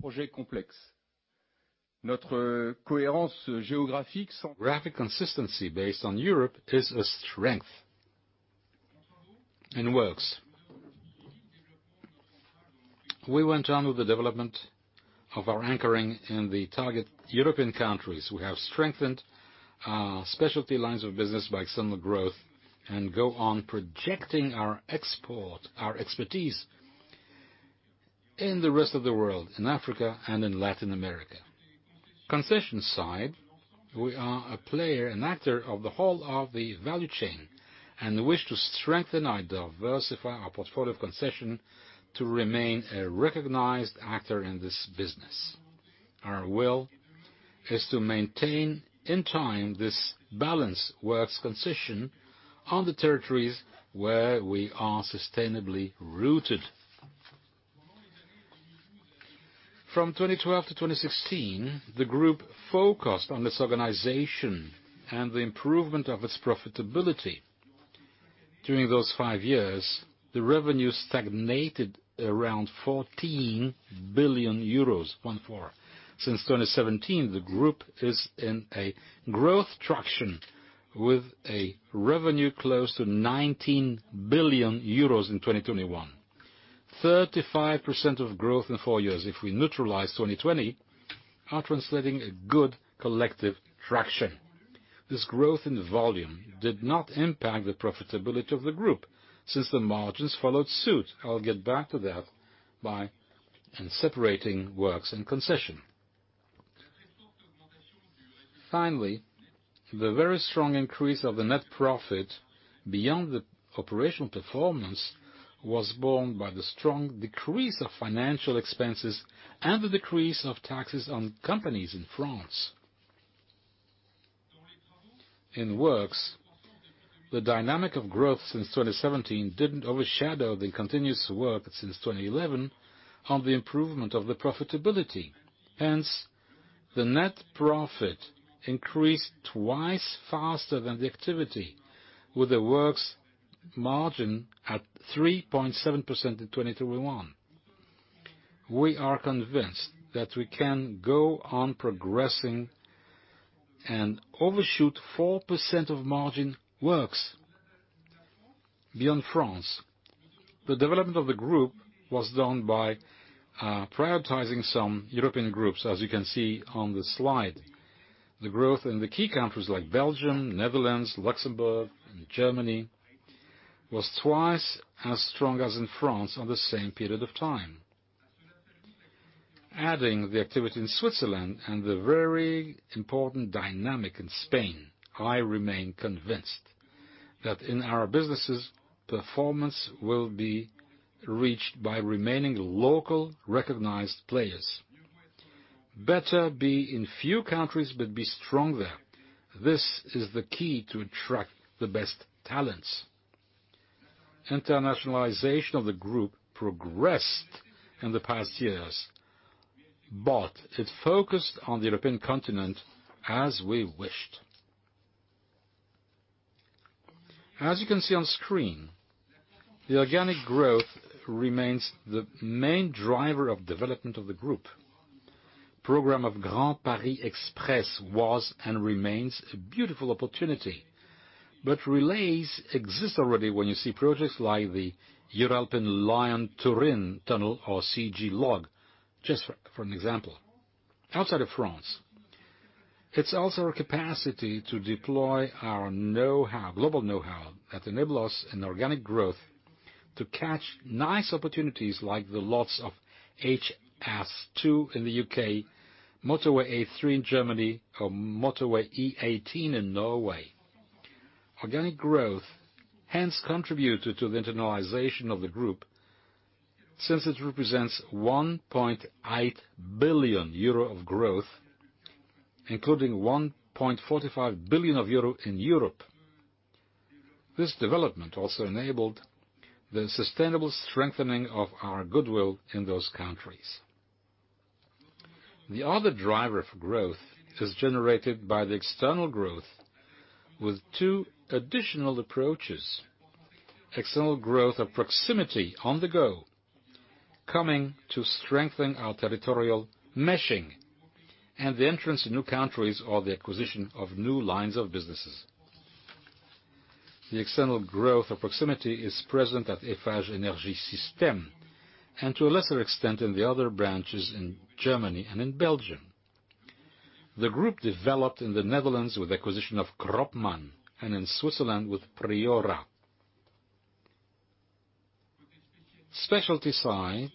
project is complex. Our geographic coherence based on Europe is a strength. In works, we went on with the development of our anchoring in the target European countries. We have strengthened our specialty lines of business by external growth and go on projecting our export, our expertise in the rest of the world, in Africa and in Latin America. On the Concessions side, we are a player and actor of the whole of the value chain, and the wish to strengthen and diversify our portfolio of Concessions to remain a recognized actor in this business. Our will is to maintain in time this balance works and Concessions on the territories where we are sustainably rooted. From 2012 to 2016, the group focused on this organization and the improvement of its profitability. During those five years, the revenue stagnated around 14 billion euros. Since 2017, the group is in a growth traction with a revenue close to 19 billion euros in 2021. 35% of growth in four years if we neutralize 2020 are translating a good collective traction. This growth in volume did not impact the profitability of the group since the margins followed suit. I'll get back to that in separating works and concession. Finally, the very strong increase of the net profit beyond the operational performance was borne by the strong decrease of financial expenses and the decrease of taxes on companies in France. In works, the dynamic of growth since 2017 didn't overshadow the continuous work since 2011 on the improvement of the profitability. Hence, the net profit increased twice faster than the activity with the works margin at 3.7% in 2021. We are convinced that we can go on progressing and overshoot 4% of margin works beyond France. The development of the group was done by prioritizing some European groups, as you can see on the slide. The growth in the key countries like Belgium, Netherlands, Luxembourg, and Germany was twice as strong as in France on the same period of time. Adding the activity in Switzerland and the very important dynamic in Spain, I remain convinced that in our businesses, performance will be reached by remaining local recognized players. Better be in few countries but be strong there. This is the key to attract the best talents. Internationalization of the group progressed in the past years, but it focused on the European continent as we wished. As you can see on screen, the organic growth remains the main driver of development of the group. Program of the whole Paris Express program was and remains a beautiful opportunity, but relays exist already when you see projects like the European Lyon-Turin Tunnel or CéGELog, just for example. Outside of France, it's also our capacity to deploy our know-how, global know-how that enable us an organic growth to catch nice opportunities like the lots of HS2 in the U.K., Motorway A3 in Germany or Motorway E18 in Norway. Organic growth hence contributed to the internationalization of the group since it represents 1.8 billion euro of growth, including 1.45 billion euro in Europe. This development also enabled the sustainable strengthening of our goodwill in those countries. The other driver of growth is generated by the external growth with two additional approaches. External growth of proximity on the go, coming to strengthen our territorial meshing and the entrance in new countries or the acquisition of new lines of businesses. The external growth of proximity is present at Eiffage Énergie Systèmes, and to a lesser extent in the other branches in Germany and in Belgium. The group developed in the Netherlands with acquisition of Kropman and in Switzerland with Priora. Specialty side,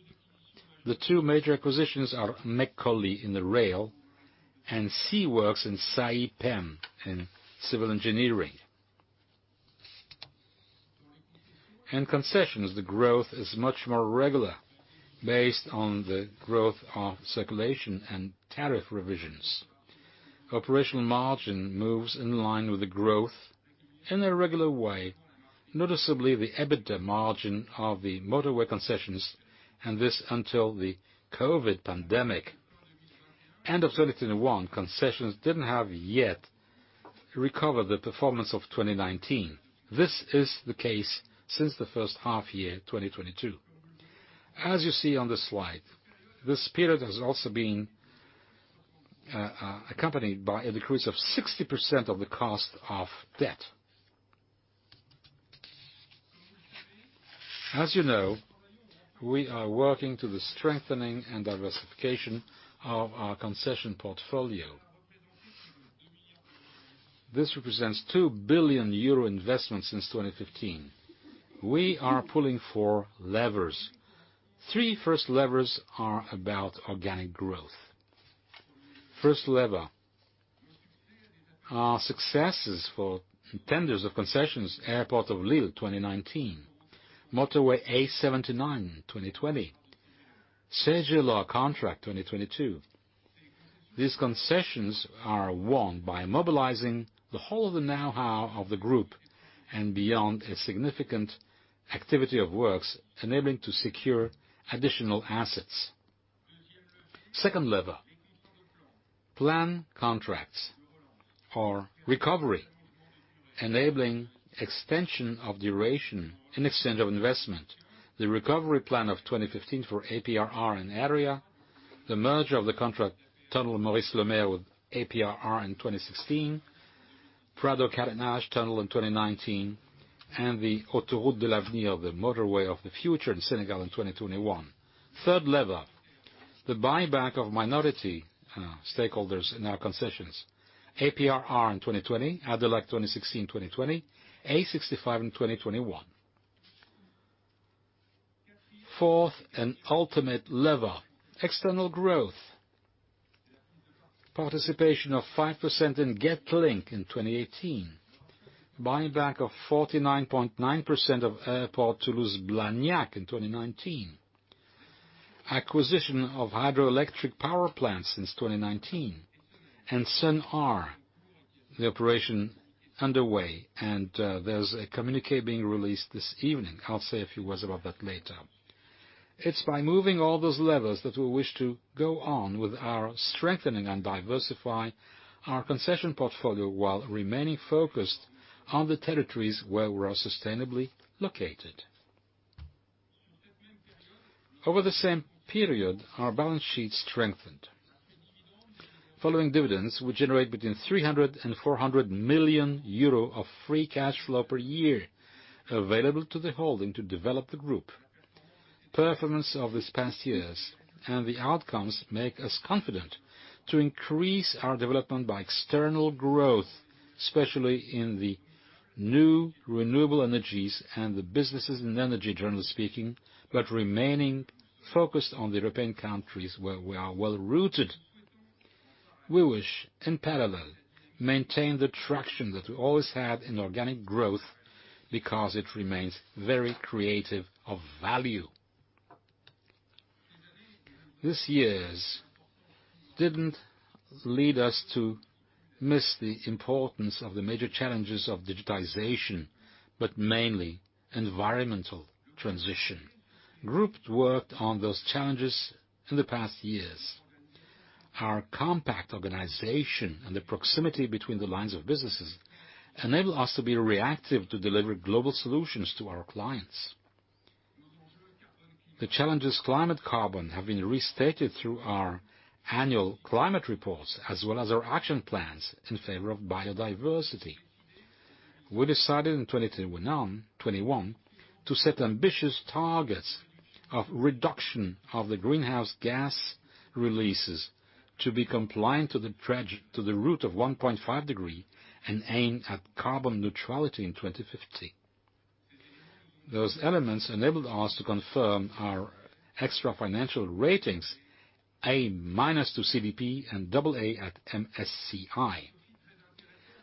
the two major acquisitions are Meccoli in the rail and Sea Works and Saipem in civil engineering. In Concessions, the growth is much more regular based on the growth of circulation and tariff revisions. Operational margin moves in line with the growth in a regular way, notably the EBITDA margin of the Motorway Concessions, and this until the COVID pandemic. End of 2021, Concessions didn't have yet recovered the performance of 2019. This is the case since the first half year, 2022. As you see on the slide, this period has also been accompanied by a decrease of 60% of the cost of debt. As you know, we are working to the strengthening and diversification of our Concession portfolio. This represents 2 billion euro investment since 2015. We are pulling four levers. Three first levers are about organic growth. First lever, our successes for tenders of concessions, Airport of Lille, 2019, Motorway A79, 2020, Cergy-le-Haut contract, 2022. These Concessions are won by mobilizing the whole of the know-how of the group and beyond a significant activity of works, enabling to secure additional assets. Second lever, plan contracts or recovery, enabling extension of duration and extent of investment. The recovery plan of 2015 for APRR and AREA, the merger of the contract Tunnel Maurice-Lemaire with APRR in 2016, Prado-Carénage Tunnel in 2019, and the Autoroute de l'Avenir, the motorway of the future in Senegal in 2021. Third lever, the buyback of minority stakeholders in our concessions. APRR in 2020, ADELAC 2016, 2020, A65 in 2021. Fourth and ultimate lever, external growth. Participation of 5% in Getlink in 2018. Buyback of 49.9% of Aéroport de Toulouse-Blagnac in 2019. Acquisition of hydroelectric power plants since 2019. And Sun'R, the operation underway, and there's a communiqué being released this evening. I'll say a few words about that later. It's by moving all those levers that we wish to go on with our strengthening and diversify our Concession portfolio while remaining focused on the territories where we're sustainably located. Over the same period, our balance sheet strengthened. Following dividends, we generate between 300 million euro and 400 million euro of free cash flow per year available to the holding to develop the group. Performance of these past years and the outcomes make us confident to increase our development by external growth, especially in the new renewable energies and the businesses in energy, generally speaking, but remaining focused on the European countries where we are well-rooted. We wish, in parallel, maintain the traction that we always had in organic growth because it remains very creator of value. These years didn't lead us to miss the importance of the major challenges of digitization, but mainly environmental transition. Group worked on those challenges in the past years. Our compact organization and the proximity between the lines of businesses enable us to be reactive to deliver global solutions to our clients. The challenges climate carbon have been restated through our annual climate reports, as well as our action plans in favor of biodiversity. We decided in 2021 to set ambitious targets of reduction of the greenhouse gas releases to be compliant to the route to 1.5 degree and aim at carbon neutrality in 2050. Those elements enabled us to confirm our extra financial ratings, A- from CDP and AA from MSCI.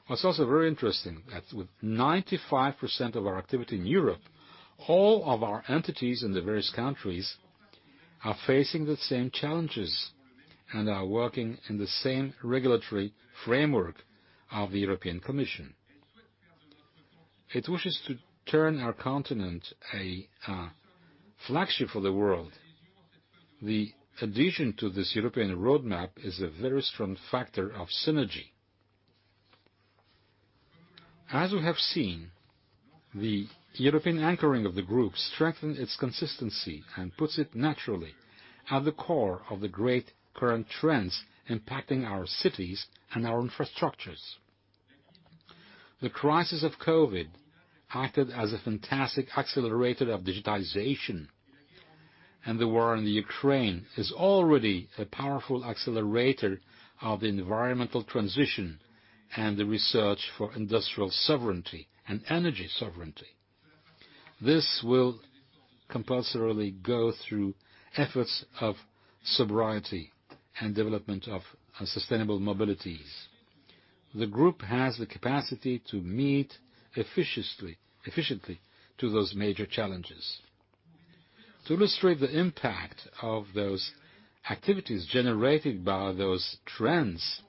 What's also very interesting that with 95% of our activity in Europe, all of our entities in the various countries are facing the same challenges and are working in the same regulatory framework of the European Commission. It wishes to turn our continent into a flagship for the world. The tradition to this European roadmap is a very strong factor of synergy. As you have seen, the European anchoring of the group strengthen its consistency and puts it naturally at the core of the great current trends impacting our cities and our infrastructures. The crisis of COVID acted as a fantastic accelerator of digitization, and the war in the Ukraine is already a powerful accelerator of the environmental transition and the research for industrial sovereignty and energy sovereignty. This will compulsorily go through efforts of sobriety and development of sustainable mobilities. The group has the capacity to meet efficiently to those major challenges. To illustrate the impact of those activities generated by those trends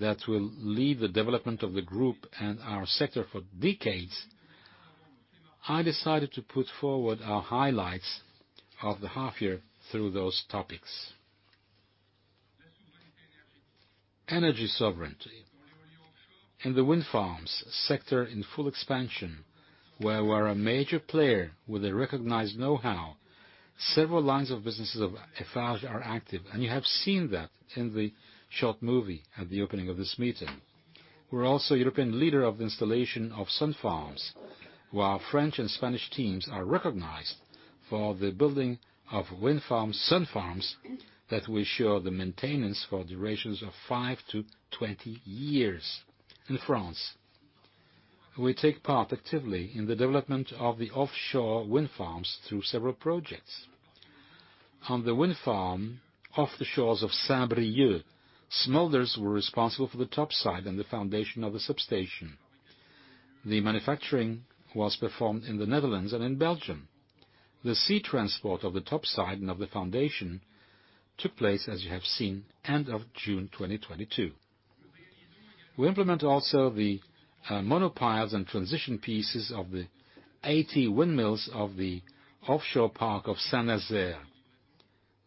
that will lead the development of the group and our sector for decades. I decided to put forward our highlights of the half year through those topics. Energy sovereignty. In the wind farms sector in full expansion, where we're a major player with a recognized know-how, several lines of businesses of Eiffage are active, and you have seen that in the short movie at the opening of this meeting. We're also European leader of installation of sun farms, while French and Spanish teams are recognized for the building of wind farms, sun farms, that we assure the maintenance for durations of five to 20 years. In France, we take part actively in the development of the offshore wind farms through several projects. On the wind farm off the shores of Saint-Brieuc, Smulders were responsible for the top side and the foundation of the substation. The manufacturing was performed in the Netherlands and in Belgium. The sea transport of the top side and of the foundation took place, as you have seen, end of June 2022. We implement also the monopiles and transition pieces of the 80 windmills of the offshore park of Saint-Nazaire.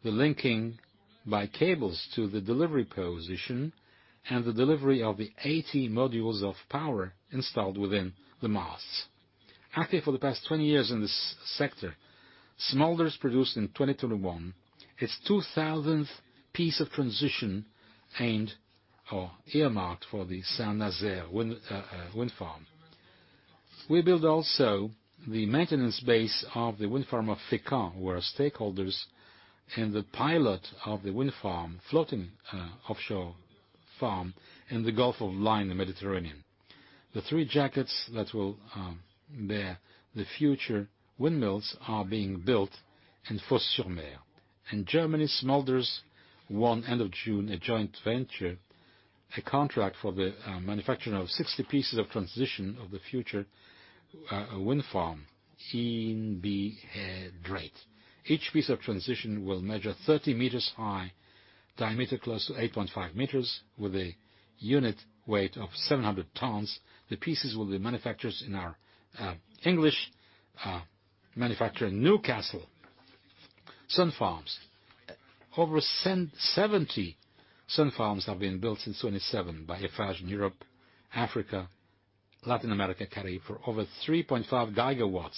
The linking by cables to the delivery position and the delivery of the 80 modules of power installed within the masts. Active for the past 20 years in this sector, Smulders produced in 2021 its 2,000th piece of transition aimed or earmarked for the Saint-Nazaire wind farm. We build also the maintenance base of the wind farm of Fécamp, where stakeholders and the pilot of the wind farm, floating offshore farm in the Gulf of Lion, the Mediterranean. The three jackets that will bear the future windmills are being built in Fos-sur-Mer. In Germany, Smulders won end of June a joint venture, a contract for the manufacturing of 60 pieces of transition of the future wind farm in the grid. Each piece of transition will measure 30 meters high, diameter close to 8.5 meters with a unit weight of 700 tons. The pieces will be manufactured in our English manufacturer in Newcastle. Solar farms. Over 70 solar farms have been built since 2017 by Eiffage in Europe, Africa, Latin America, Caribbean. Over 3.5 GW.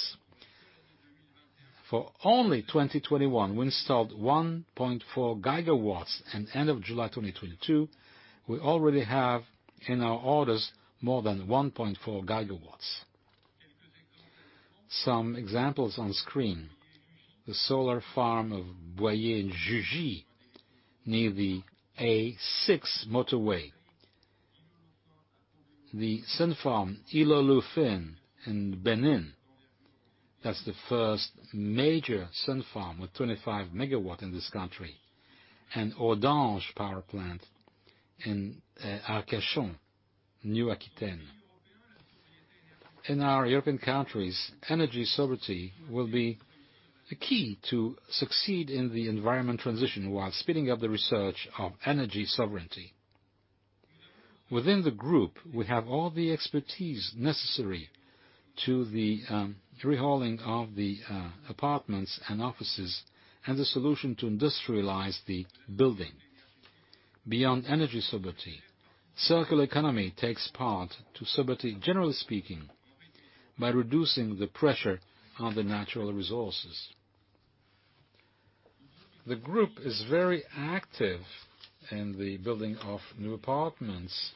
For only 2021, we installed 1.4 GW, and end of July 2022, we already have in our orders more than 1.4 GW. Some examples on screen. The solar farm of Boyer and Jugy near the A6 motorway. The solar farm Illoulofin in Benin. That's the first major solar farm with 25 MW in this country. Audenge power plant in Arcachon, Nouvelle-Aquitaine. In our European countries, energy sovereignty will be a key to succeed in the environmental transition while speeding up the research of energy sovereignty. Within the group, we have all the expertise necessary to the overhauling of the apartments and offices and the solution to industrialize the building. Beyond energy sovereignty, circular economy takes part to sovereignty, generally speaking, by reducing the pressure on the natural resources. The group is very active in the building of new apartments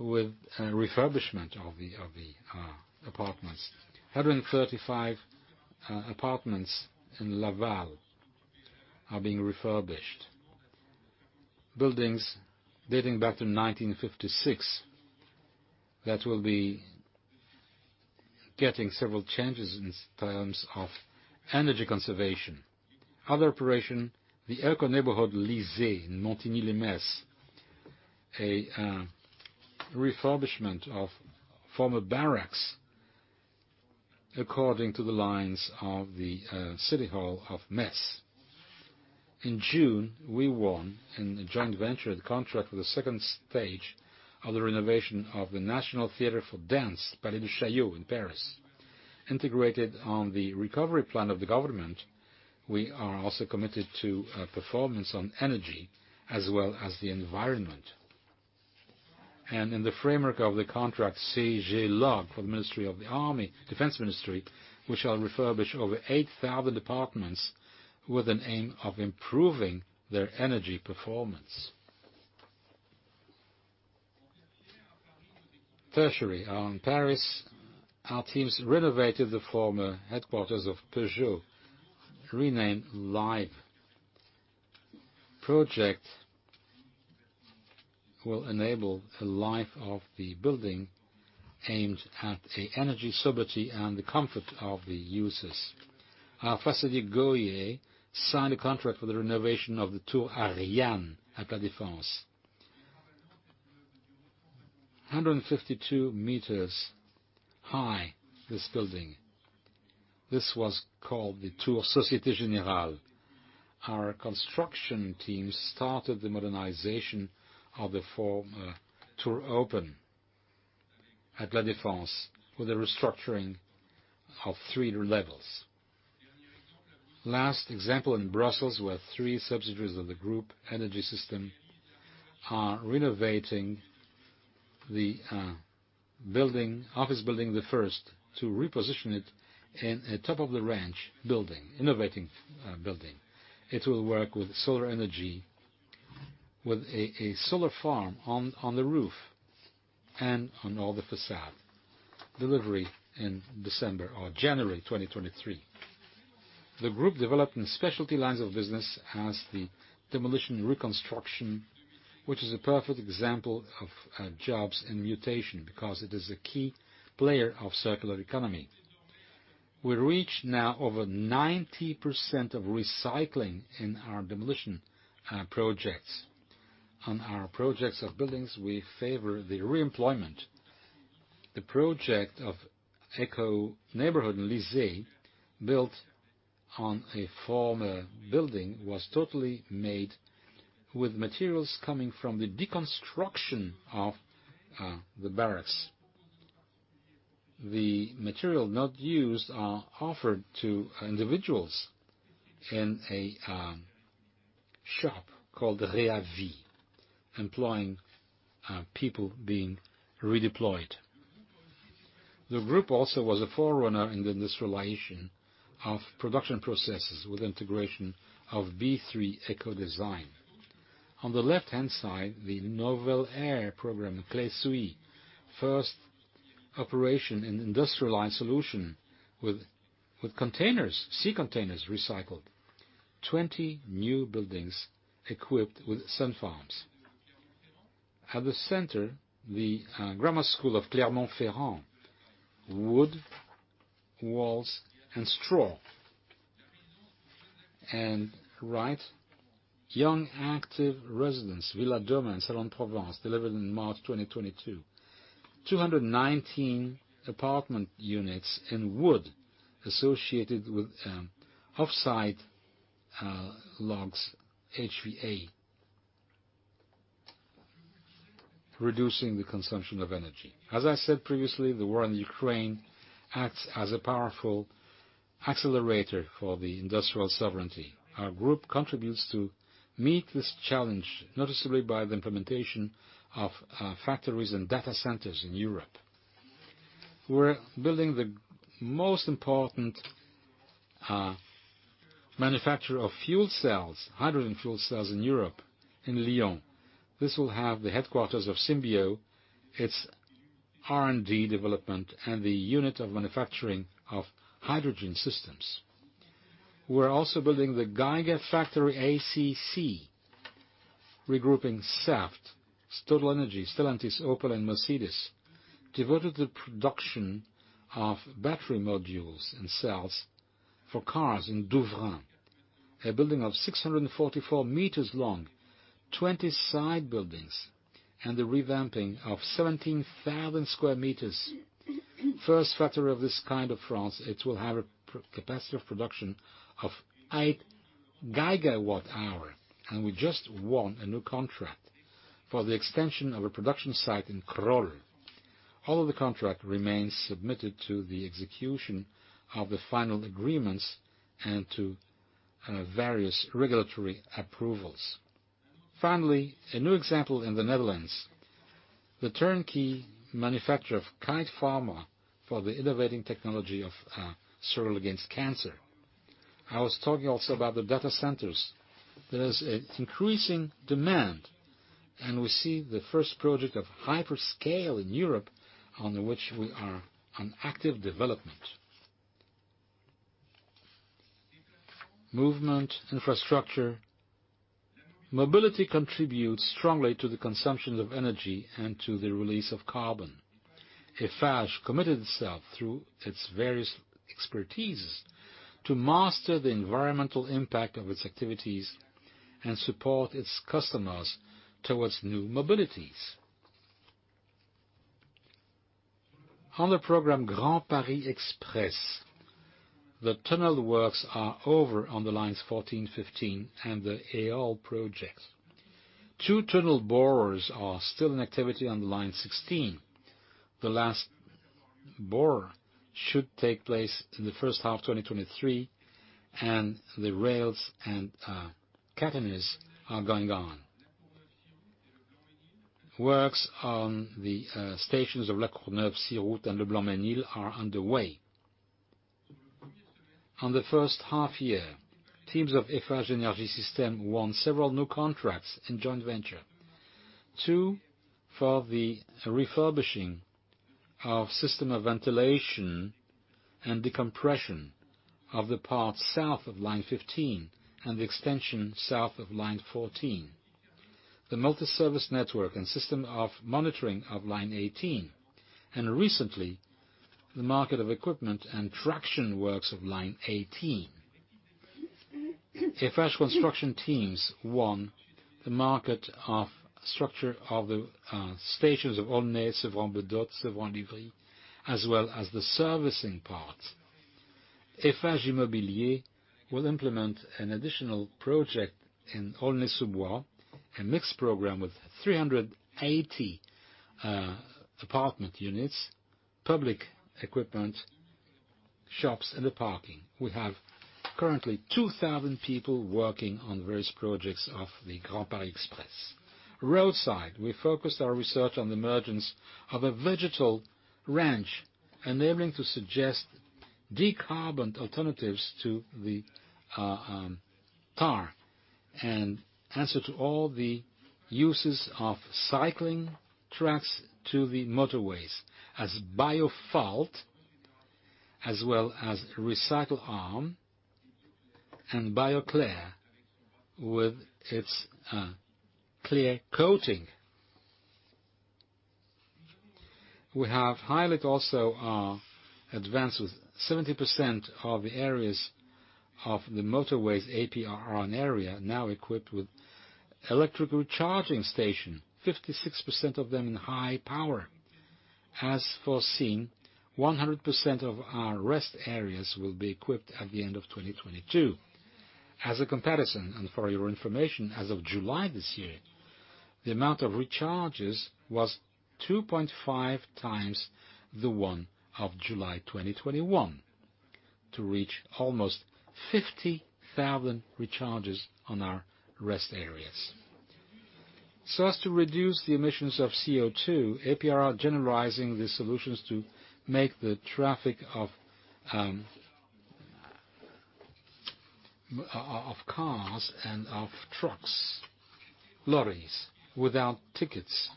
with a refurbishment of the apartments. 135 apartments in Laval are being refurbished. Buildings dating back to 1956 that will be getting several changes in terms of energy conservation. Other operation, the eco-neighborhood Lizé in Montigny-lès-Metz. A refurbishment of former barracks according to the lines of the City Hall of Metz. In June, we won in a joint venture the contract for the second stage of the renovation of the National Theatre for Dance, Palais de Chaillot in Paris. Integrated on the recovery plan of the government, we are also committed to performance on energy as well as the environment. In the framework of the contract, CéGELog, for the Defense Ministry, we shall refurbish over 8,000 apartments with an aim of improving their energy performance. Tertiary. In Paris, our teams renovated the former headquarters of Peugeot, renamed LIVE. Project will enable a life of the building aimed at energy sovereignty and the comfort of the users. Our facility, Goyer, signed a contract for the renovation of the Tour Ariane at La Défense. 152 meters high, this building. This was called the Tour Société Générale. Our construction team started the modernization of the former Tour First at La Défense with a restructuring of three levels. Last example in Brussels, where three subsidiaries of Eiffage Énergie Systèmes are renovating the office building, the first to reposition it in a top-of-the-range innovative building. It will work with solar energy, with a solar farm on the roof and on all the façade. Delivery in December or January 2023. The group development specialty lines of business has the demolition-reconstruction, which is a perfect example of jobs and mutation because it is a key player of circular economy. We now reach over 90% of recycling in our demolition projects. On our projects of buildings, we favor the re-employment. The project of eco neighborhood in Lizé, built on a former building, was totally made with materials coming from the deconstruction of the barracks. The material not used are offered to individuals in a shop called the RéaVie, employing people being redeployed. The group also was a forerunner in the industrialization of production processes with integration of B3 Ecodesign. On the left-hand side, the Nouvel'R program in Claye-Souilly. First operation in industrialized solution with containers, sea containers recycled. 20 new buildings equipped with sun farms. At the center, the grammar school of Clermont-Ferrand, wood, walls and straw. Right, young active residents, Villa Dorma in Salon-de-Provence, delivered in March 2022. 219 apartment units in wood associated with off-site logs HVAC, reducing the consumption of energy. As I said previously, the war in Ukraine acts as a powerful accelerator for the industrial sovereignty. Our group contributes to meet this challenge, noticeably by the implementation of factories and data centers in Europe. We're building the most important manufacturer of fuel cells, hydrogen fuel cells in Europe and Lyon. This will have the headquarters of Symbio, its R&D development, and the unit of manufacturing of hydrogen systems. We're also building the Gigafactory ACC, regrouping Saft, TotalEnergies, Stellantis, Opel, and Mercedes-Benz, devoted to production of battery modules and cells for cars in Douvrin. A building of 644 meters long, 20 side buildings, and the revamping of 17,000 square meters. First factory of this kind in France, it will have a capacity of production of 8 GWh. We just won a new contract for the extension of a production site in Crolles. All of the contract remains subject to the execution of the final agreements and to various regulatory approvals. Finally, a new example in the Netherlands, the turnkey manufacturer of Kite Pharma for the innovative technology of struggle against cancer. I was talking also about the data centers. There is an increasing demand, and we see the first project of hyperscale in Europe on which we are on active development. Movement, infrastructure. Mobility contributes strongly to the consumption of energy and to the release of carbon. Eiffage committed itself through its various expertise to master the environmental impact of its activities and support its customers towards new mobilities. On the program Grand Paris Express, the tunnel works are over on the lines 14, 15, and the EOLE projects. Two tunnel borers are still in activity on line 16. The last borer should take place in the first half of 2023, and the rails and catenaries are going on. Works on the stations of La Courneuve-Six-Routes and Le Blanc-Mesnil are underway. In the first half-year, teams of Eiffage Énergie Systèmes won several new contracts in joint venture. Two for the refurbishing of system of ventilation and decompression of the parts south of line 15 and the extension south of line 14. The multiservice network and system of monitoring of line 18, and recently, the market of equipment and traction works of line 18. Eiffage Construction teams won the market of structure of the stations of Aulnay, Sevran-Beaudottes, Sevran-Livry, as well as the servicing part. Eiffage Immobilier will implement an additional project in Aulnay-sous-Bois, a mixed program with 380 apartment units, public equipment, shops and a parking. We have currently 2,000 people working on various projects of the Grand Paris Express. Roadside, we focused our research on the emergence of a vegetal range, enabling to suggest decarboned alternatives to the tar, and answer to all the uses of cycling tracks to the motorways as Biophalt, as well as Recytal-ARM and Bioklair with its clear coating. We have highlight also our advance with 70% of the areas of the motorways APRR area now equipped with electrical charging station, 56% of them in high power. As foreseen, 100% of our rest areas will be equipped at the end of 2022. As a comparison, and for your information, as of July this year, the amount of recharges was 2.5x the one of July 2021, to reach almost 50,000 recharges on our rest areas. So as to reduce the emissions of CO2, APRR generalizing the solutions to make the traffic of cars and of trucks, lorries, without tickets.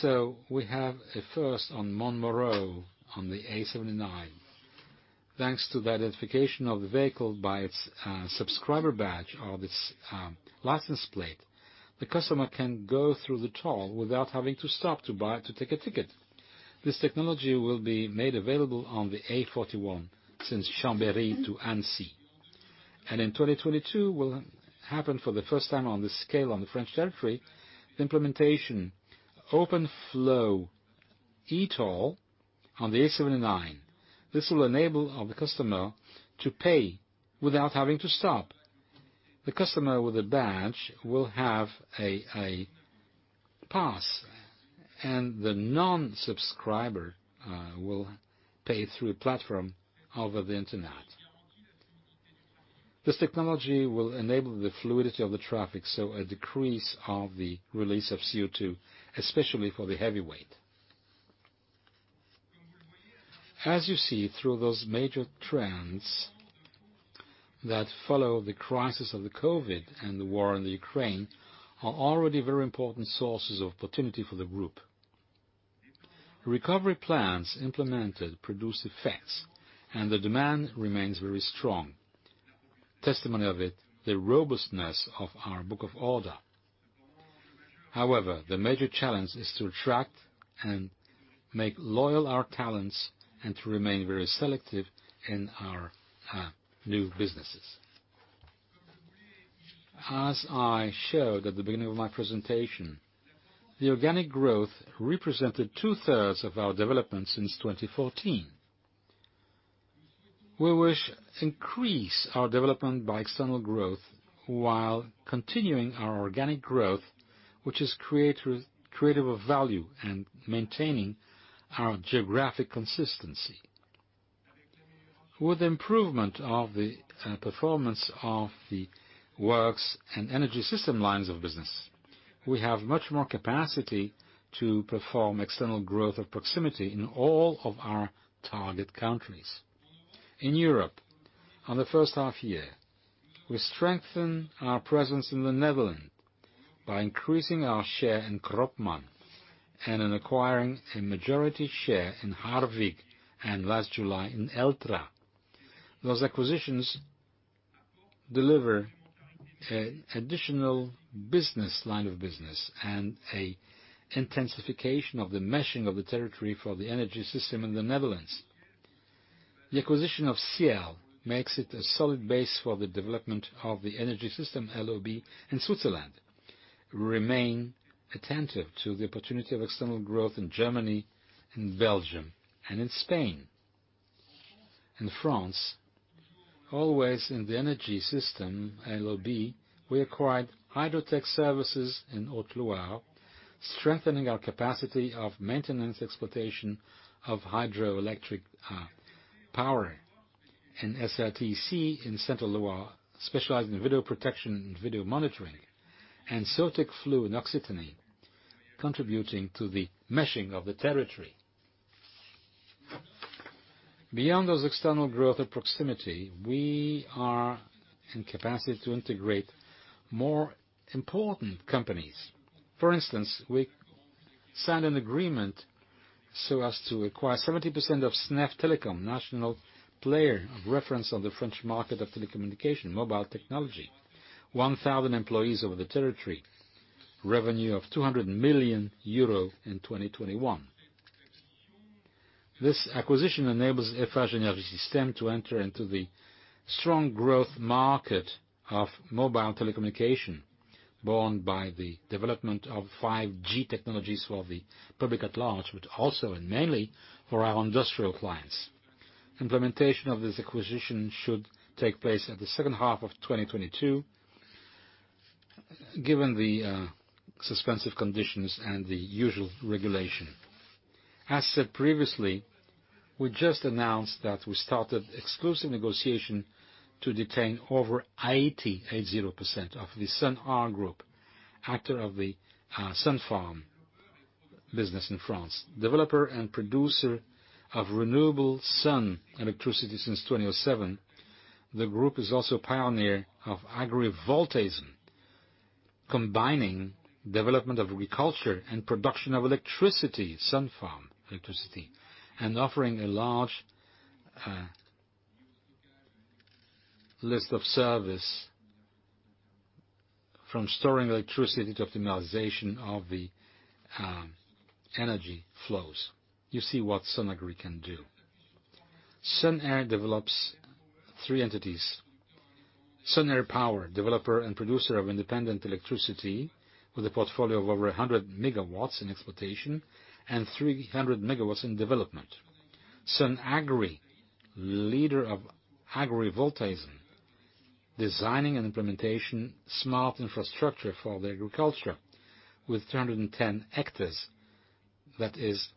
So we have a first on Montmarault on the A79. Thanks to the identification of the vehicle by its subscriber badge or its license plate, the customer can go through the toll without having to stop to take a ticket. This technology will be made available on the A41 since Chambéry to Annecy. In 2022 will happen for the first time on this scale on the French territory, the implementation free-flow e-toll on the A79. This will enable of the customer to pay without having to stop. The customer with a badge will have a pass, and the nonsubscriber will pay through a platform over the Internet. This technology will enable the fluidity of the traffic, so a decrease of the release of CO2, especially for the heavyweight. As you see through those major trends that follow the crisis of the COVID and the war in the Ukraine are already very important sources of opportunity for the group. Recovery plans implemented produce effects, and the demand remains very strong. Testimony of it, the robustness of our book of order. However, the major challenge is to attract and make loyal our talents and to remain very selective in our new businesses. As I showed at the beginning of my presentation, the organic growth represented 2/3 of our development since 2014. We wish to increase our development by external growth while continuing our organic growth, which is creative of value, and maintaining our geographic consistency. With improvement of the performance of the works and energy system lines of business, we have much more capacity to perform external growth of proximity in all of our target countries. In Europe, in the first half-year, we strengthen our presence in the Netherlands by increasing our share in Kropman and in acquiring a majority share in Harwig and last July in Eltra. Those acquisitions deliver an additional line of business and an intensification of the meshing of the territory for the energy system in the Netherlands. The acquisition of Seal makes it a solid base for the development of the energy system LOB in Switzerland. We remain attentive to the opportunity of external growth in Germany, in Belgium, and in Spain. In France, always in the energy system LOB, we acquired Hydro-tech Services in Haute-Loire, strengthening our capacity of maintenance exploitation of hydroelectric power, and SRTC in Centre Loire, specializing in video protection and video monitoring, and Sotecflu in Occitanie, contributing to the meshing of the territory. Beyond those external growth of proximity, we are in capacity to integrate more important companies. For instance, we signed an agreement so as to acquire 70% of SNEF Telecom, national player of reference on the French market of telecommunication, mobile technology. 1,000 employees over the territory, revenue of 200 million euro in 2021. This acquisition enables Eiffage Énergie Systèmes to enter into the strong growth market of mobile telecommunication, borne by the development of 5G technologies for the public at large, but also and mainly for our industrial clients. Implementation of this acquisition should take place in the second half of 2022, given the suspensive conditions and the usual regulation. As said previously, we just announced that we started exclusive negotiation to acquire over 80% of the Sun'R Group, actor of the solar farm business in France. Developer and producer of renewable solar electricity since 2007. The group is also a pioneer of agrivoltaics, combining development of agriculture and production of electricity, solar farm electricity, and offering a large list of service from storing electricity to optimization of the energy flows. You see what Sun'Agri can do. Sun'R develops three entities. Sun'R Power, developer and producer of independent electricity with a portfolio of over 100 MW in exploitation and 300 MW in development. Sun'Agri, leader of agrivoltaics, designing and implementation smart infrastructure for the agriculture with 210 hectares, that is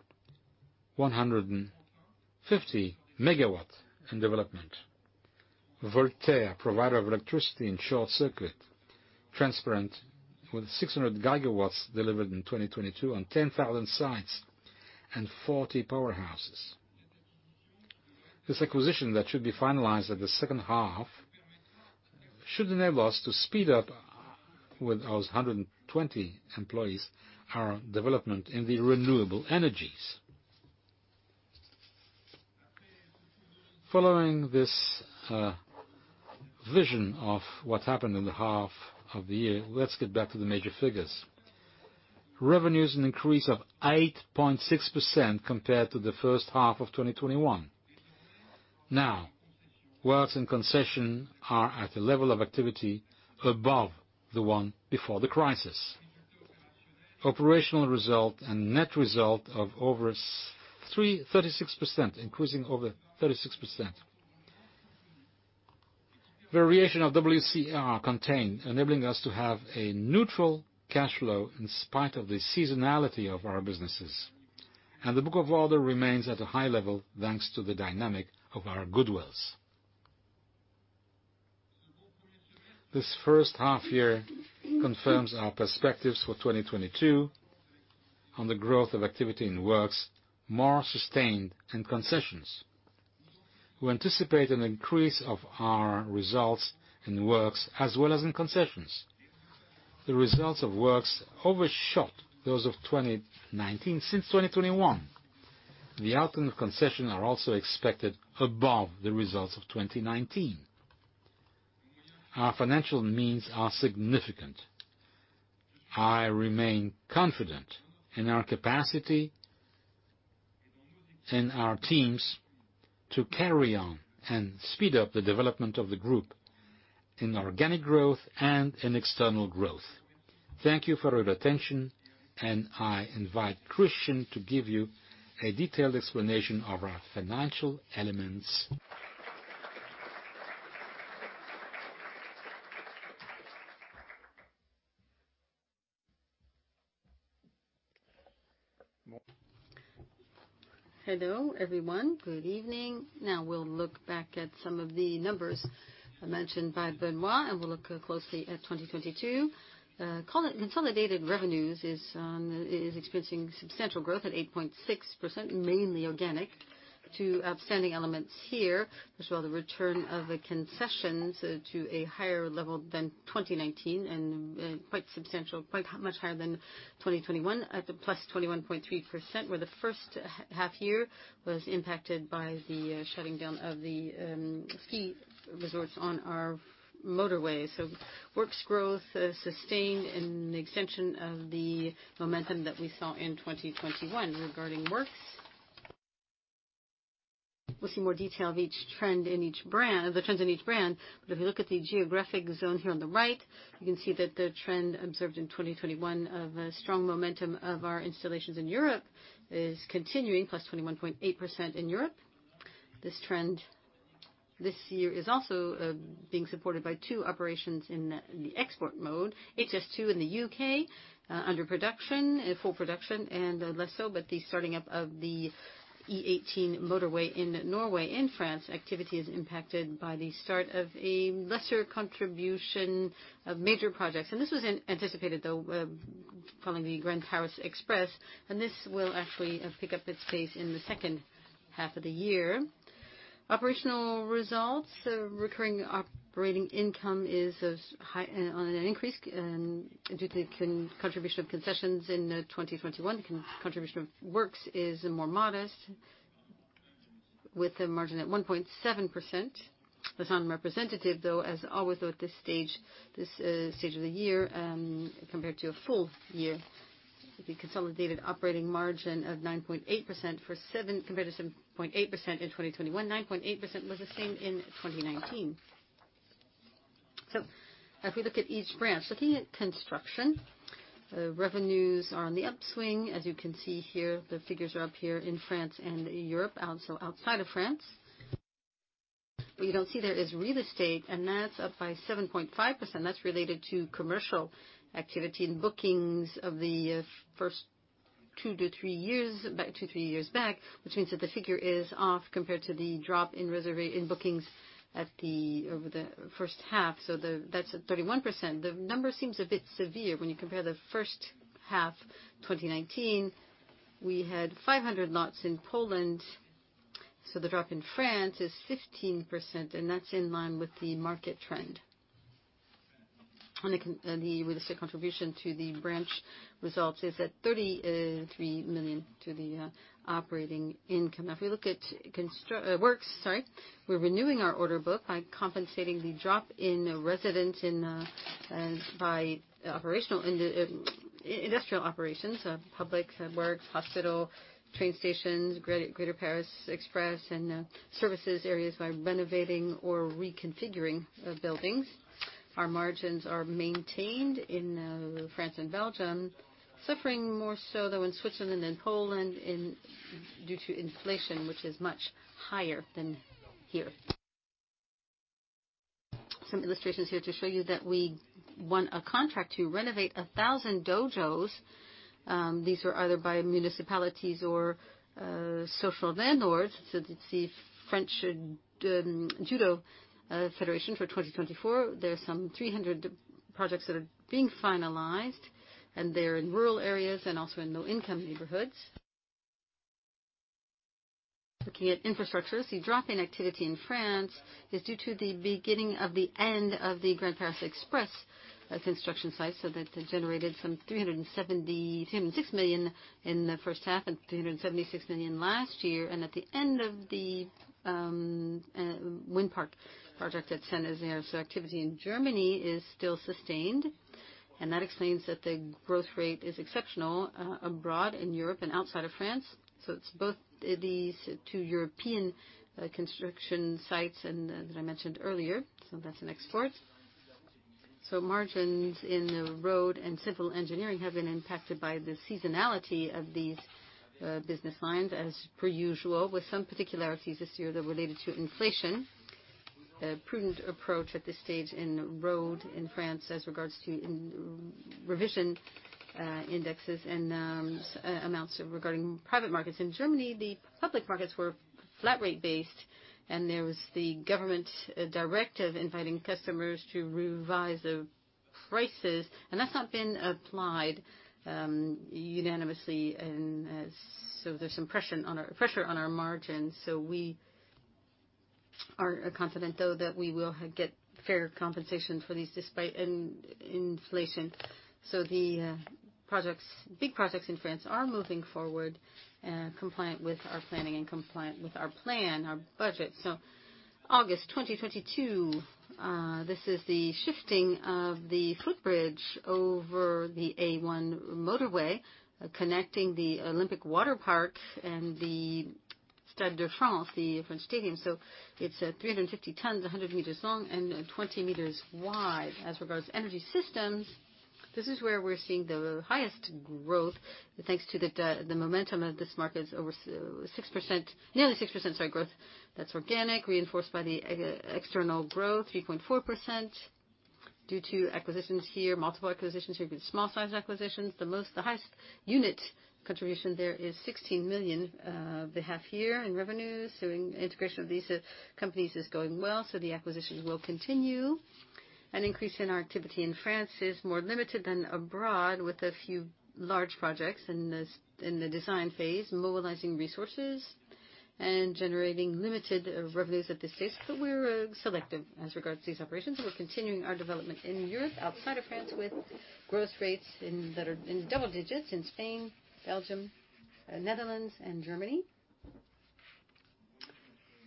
150 MW in development. Volterres, provider of electricity in short circuit, transparent with 600 GW delivered in 2022 on 10,000 sites and 40 powerhouses. This acquisition that should be finalized at the second half should enable us to speed up with those 120 employees our development in the renewable energies. Following this, vision of what's happened in the half of the year, let's get back to the major figures. Revenues an increase of 8.6% compared to the first half of 2021. Now, Works and Concession are at a level of activity above the one before the crisis. Operational result and net result of over 36%, increasing over 36%. Variation of WCR contained, enabling us to have a neutral cash flow in spite of the seasonality of our businesses. The order book remains at a high level, thanks to the dynamic of our goodwill. This first half year confirms our perspectives for 2022 on the growth of activity in works more sustained in concessions. We anticipate an increase of our results in works as well as in concessions. The results of works overshot those of 2019 since 2021. The outcomes of Concessions are also expected above the results of 2019. Our financial means are significant. I remain confident in our capacity, in our teams to carry on and speed up the development of the group in organic growth and in external growth. Thank you for your attention, and I invite Christian to give you a detailed explanation of our financial elements. Hello, everyone. Good evening. Now we'll look back at some of the numbers mentioned by Benoît, and we'll look closely at 2022. Consolidated revenues is experiencing substantial growth at 8.6%, mainly organic. Two outstanding elements here, as well the return of the Concessions to a higher level than 2019 and quite substantial, much higher than 2021 at the +21.3%, where the first half year was impacted by the shutting down of the ski resorts on our motorway. Works growth sustained in the extension of the momentum that we saw in 2021. Regarding works, we'll see more detail of each trend in each brand, the trends in each brand. If you look at the geographic zone here on the right, you can see that the trend observed in 2021 of a strong momentum of our installations in Europe is continuing, +21.8% in Europe. This trend this year is also being supported by two operations in the export mode. HS2 in the UK under production, in full production and less so, but the starting up of the E18 motorway in Norway. In France, activity is impacted by the start of a lesser contribution of major projects. This was anticipated though, following the Grand Paris Express, and this will actually pick up its pace in the second half of the year. Operational results, recurring operating income is high on an increase due to contribution of Concessions in 2021. Contribution of works is more modest. With the margin at 1.7%. That's unrepresentative though, as always, at this stage of the year, compared to a full year. The consolidated operating margin of 9.8% compared to 7.8% in 2021, 9.8% was the same in 2019. If we look at each branch, looking at construction, revenues are on the upswing, as you can see here. The figures are up here in France and Europe, also outside of France. What you don't see there is real estate, and that's up by 7.5%. That's related to commercial activity and bookings of the first two to three years back, which means that the figure is off compared to the drop in bookings over the first half. That's at 31%. The number seems a bit severe when you compare the first half 2019. We had 500 lots in Poland, so the drop in France is 15%, and that's in line with the market trend. The real estate contribution to the branch results is at 33 million to the operating income. Now if we look at works. We're renewing our order book by compensating the drop in residential by operational industrial operations, public works, hospital, train stations, Greater Paris Express and service areas by renovating or reconfiguring buildings. Our margins are maintained in France and Belgium, suffering more so though in Switzerland than in Poland due to inflation, which is much higher than here. Some illustrations here to show you that we won a contract to renovate 1000 dojos. These are either by municipalities or social landlords. France Judo for 2024, there are some 300 projects that are being finalized, and they're in rural areas and also in low-income neighborhoods. Looking at infrastructure, the drop in activity in France is due to the beginning of the end of the Grand Paris Express construction site. That generated some 306 million in the first half and 376 million last year, and at the end of the wind park project at Saint-Nazaire. Activity in Germany is still sustained, and that explains that the growth rate is exceptional abroad in Europe and outside of France. It's both these two European construction sites and that I mentioned earlier, so that's in export. Margins in the road and civil engineering have been impacted by the seasonality of these business lines, as per usual, with some particularities this year that related to inflation. A prudent approach at this stage in roads in France as regards revision of indexes and amounts regarding private markets. In Germany, the public markets were flat rate based and there was the government directive inviting customers to revise the prices, and that's not been applied unanimously. There's some pressure on our margins. We are confident, though, that we will get fair compensation for these despite inflation. The projects, big projects in France are moving forward compliant with our planning and compliant with our plan, our budget. August 2022, this is the shifting of the footbridge over the A1 motorway connecting the Olympic water park and the Stade de France, the French stadium. It's 350 tons, 100 meters long and 20 meters wide. As regards energy systems, this is where we're seeing the highest growth. Thanks to the momentum of this market, over 6%, nearly 6%, sorry, growth that's organic, reinforced by the external growth, 3.4% due to acquisitions here. Multiple acquisitions here with small size acquisitions. The highest unit contribution there is 16 million first half year in revenues. Integration of these companies is going well, so the acquisitions will continue. An increase in our activity in France is more limited than abroad, with a few large projects in the design phase, mobilizing resources and generating limited revenues at this stage. We're selective as regards these operations, and we're continuing our development in Europe outside of France with growth rates that are in double digits in Spain, Belgium, Netherlands and Germany.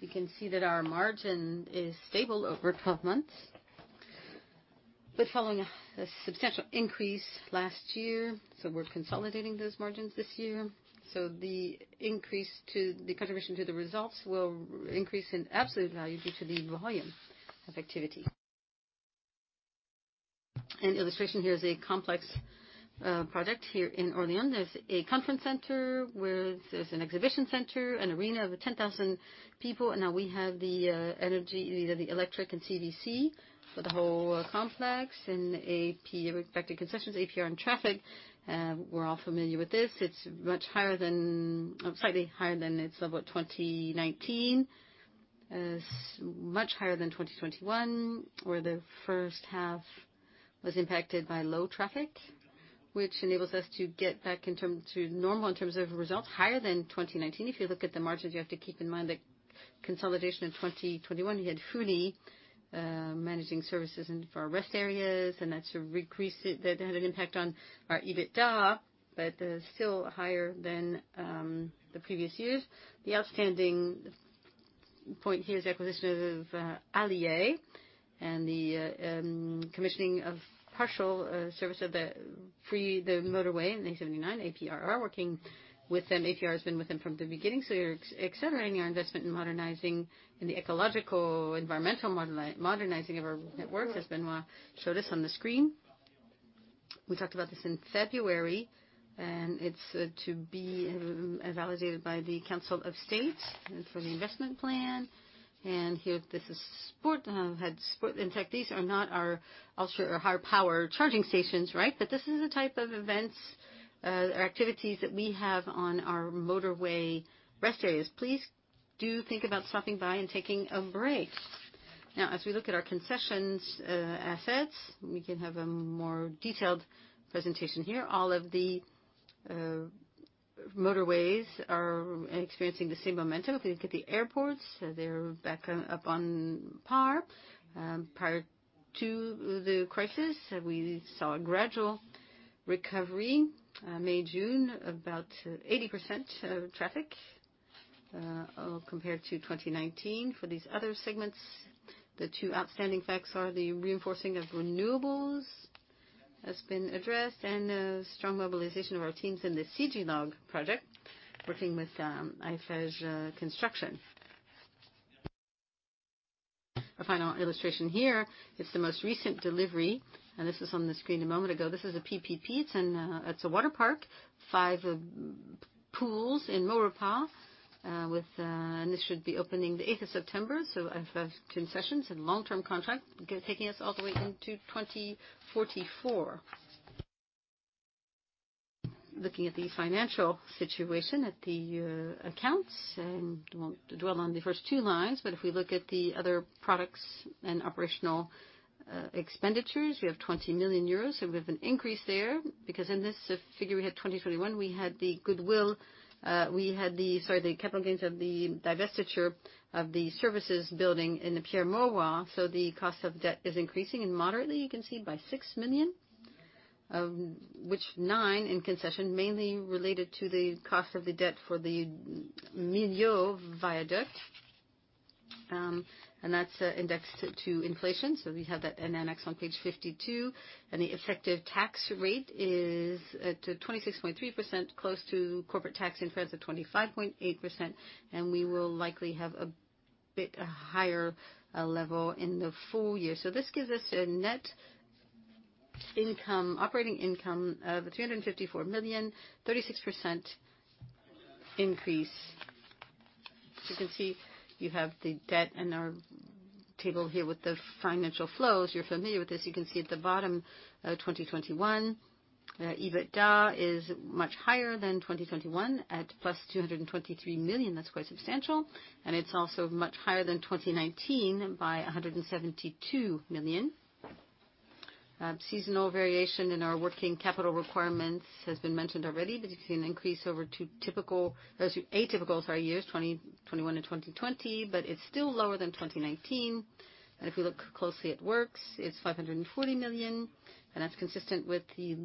You can see that our margin is stable over a couple of months, but following a substantial increase last year. We're consolidating those margins this year. The increase to the contribution to the results will increase in absolute value due to the volume of activity. An illustration here is a complex project here in Orléans. There's a conference center where there's an exhibition center, an arena of 10,000 people, and now we have the energy, the electric and CVC for the whole complex and APRR affected concessions, APRR and traffic. We're all familiar with this. It's much higher than. Slightly higher than its level of 2019. Much higher than 2021, where the first half was impacted by low traffic, which enables us to get back in terms to normal in terms of results higher than 2019. If you look at the margins, you have to keep in mind the consolidation of 2021. We had Fulli managing services for our rest areas, and that's increased. That had an impact on our EBITDA. Still higher than the previous years. The outstanding point here is the acquisition of A'liénor, and the commissioning of partial service of the free-flow motorway in A79. APRR are working with them. APRR has been with them from the beginning, so you're accelerating your investment in modernizing, in the ecological, environmental modernizing of our networks, as Benoît showed us on the screen. We talked about this in February, and it's to be validated by the Council of State and for the investment plan. Here, this is sport. Had sport. In fact, these are not our ultra or high-power charging stations, right? This is the type of events, or activities that we have on our motorway rest areas. Please do think about stopping by and taking a break. Now, as we look at our concessions, assets, we can have a more detailed presentation here. All of the motorways are experiencing the same momentum. If we look at the airports, they're back up on par. Prior to the crisis, we saw a gradual recovery. May, June, about 80% of traffic, compared to 2019. For these other segments, the two outstanding facts are the reinforcing of renewables has been addressed, and a strong mobilization of our teams in the CéGELog project, working with Eiffage Construction. Our final illustration here is the most recent delivery, and this was on the screen a moment ago. This is a PPP. It's in, It's a water park. Five pools in Maurepas with and this should be opening the 8th of September, so I have two sessions and long-term contract taking us all the way into 2044. Looking at the financial situation at the accounts and won't dwell on the first two lines, but if we look at the other products and operational expenditures, we have 20 million euros. We have an increase there because in this figure we had 2021, we had the goodwill, we had the capital gains of the divestiture of the services building in the Pierre-Mauroy. The cost of debt is increasing, and moderately, you can see, by 6 million, of which 9 million in concession, mainly related to the cost of the debt for the Millau Viaduct. That's indexed to inflation. We have that in an annex on page 52. The effective tax rate is at 26.3%, close to corporate tax in France of 25.8%, and we will likely have a bit higher level in the full year. This gives us a net income, operating income of 354 million, 36% increase. As you can see, you have the debt in our table here with the financial flows. You're familiar with this. You can see at the bottom, 2022 EBITDA is much higher than 2021 at +223 million. That's quite substantial. It's also much higher than 2019 by 172 million. Seasonal variation in our working capital requirements has been mentioned already, but you can increase over two typical. Atypical years, 2021 and 2020, but it's still lower than 2019. If we look closely at works, it's 540 million, and that's consistent with the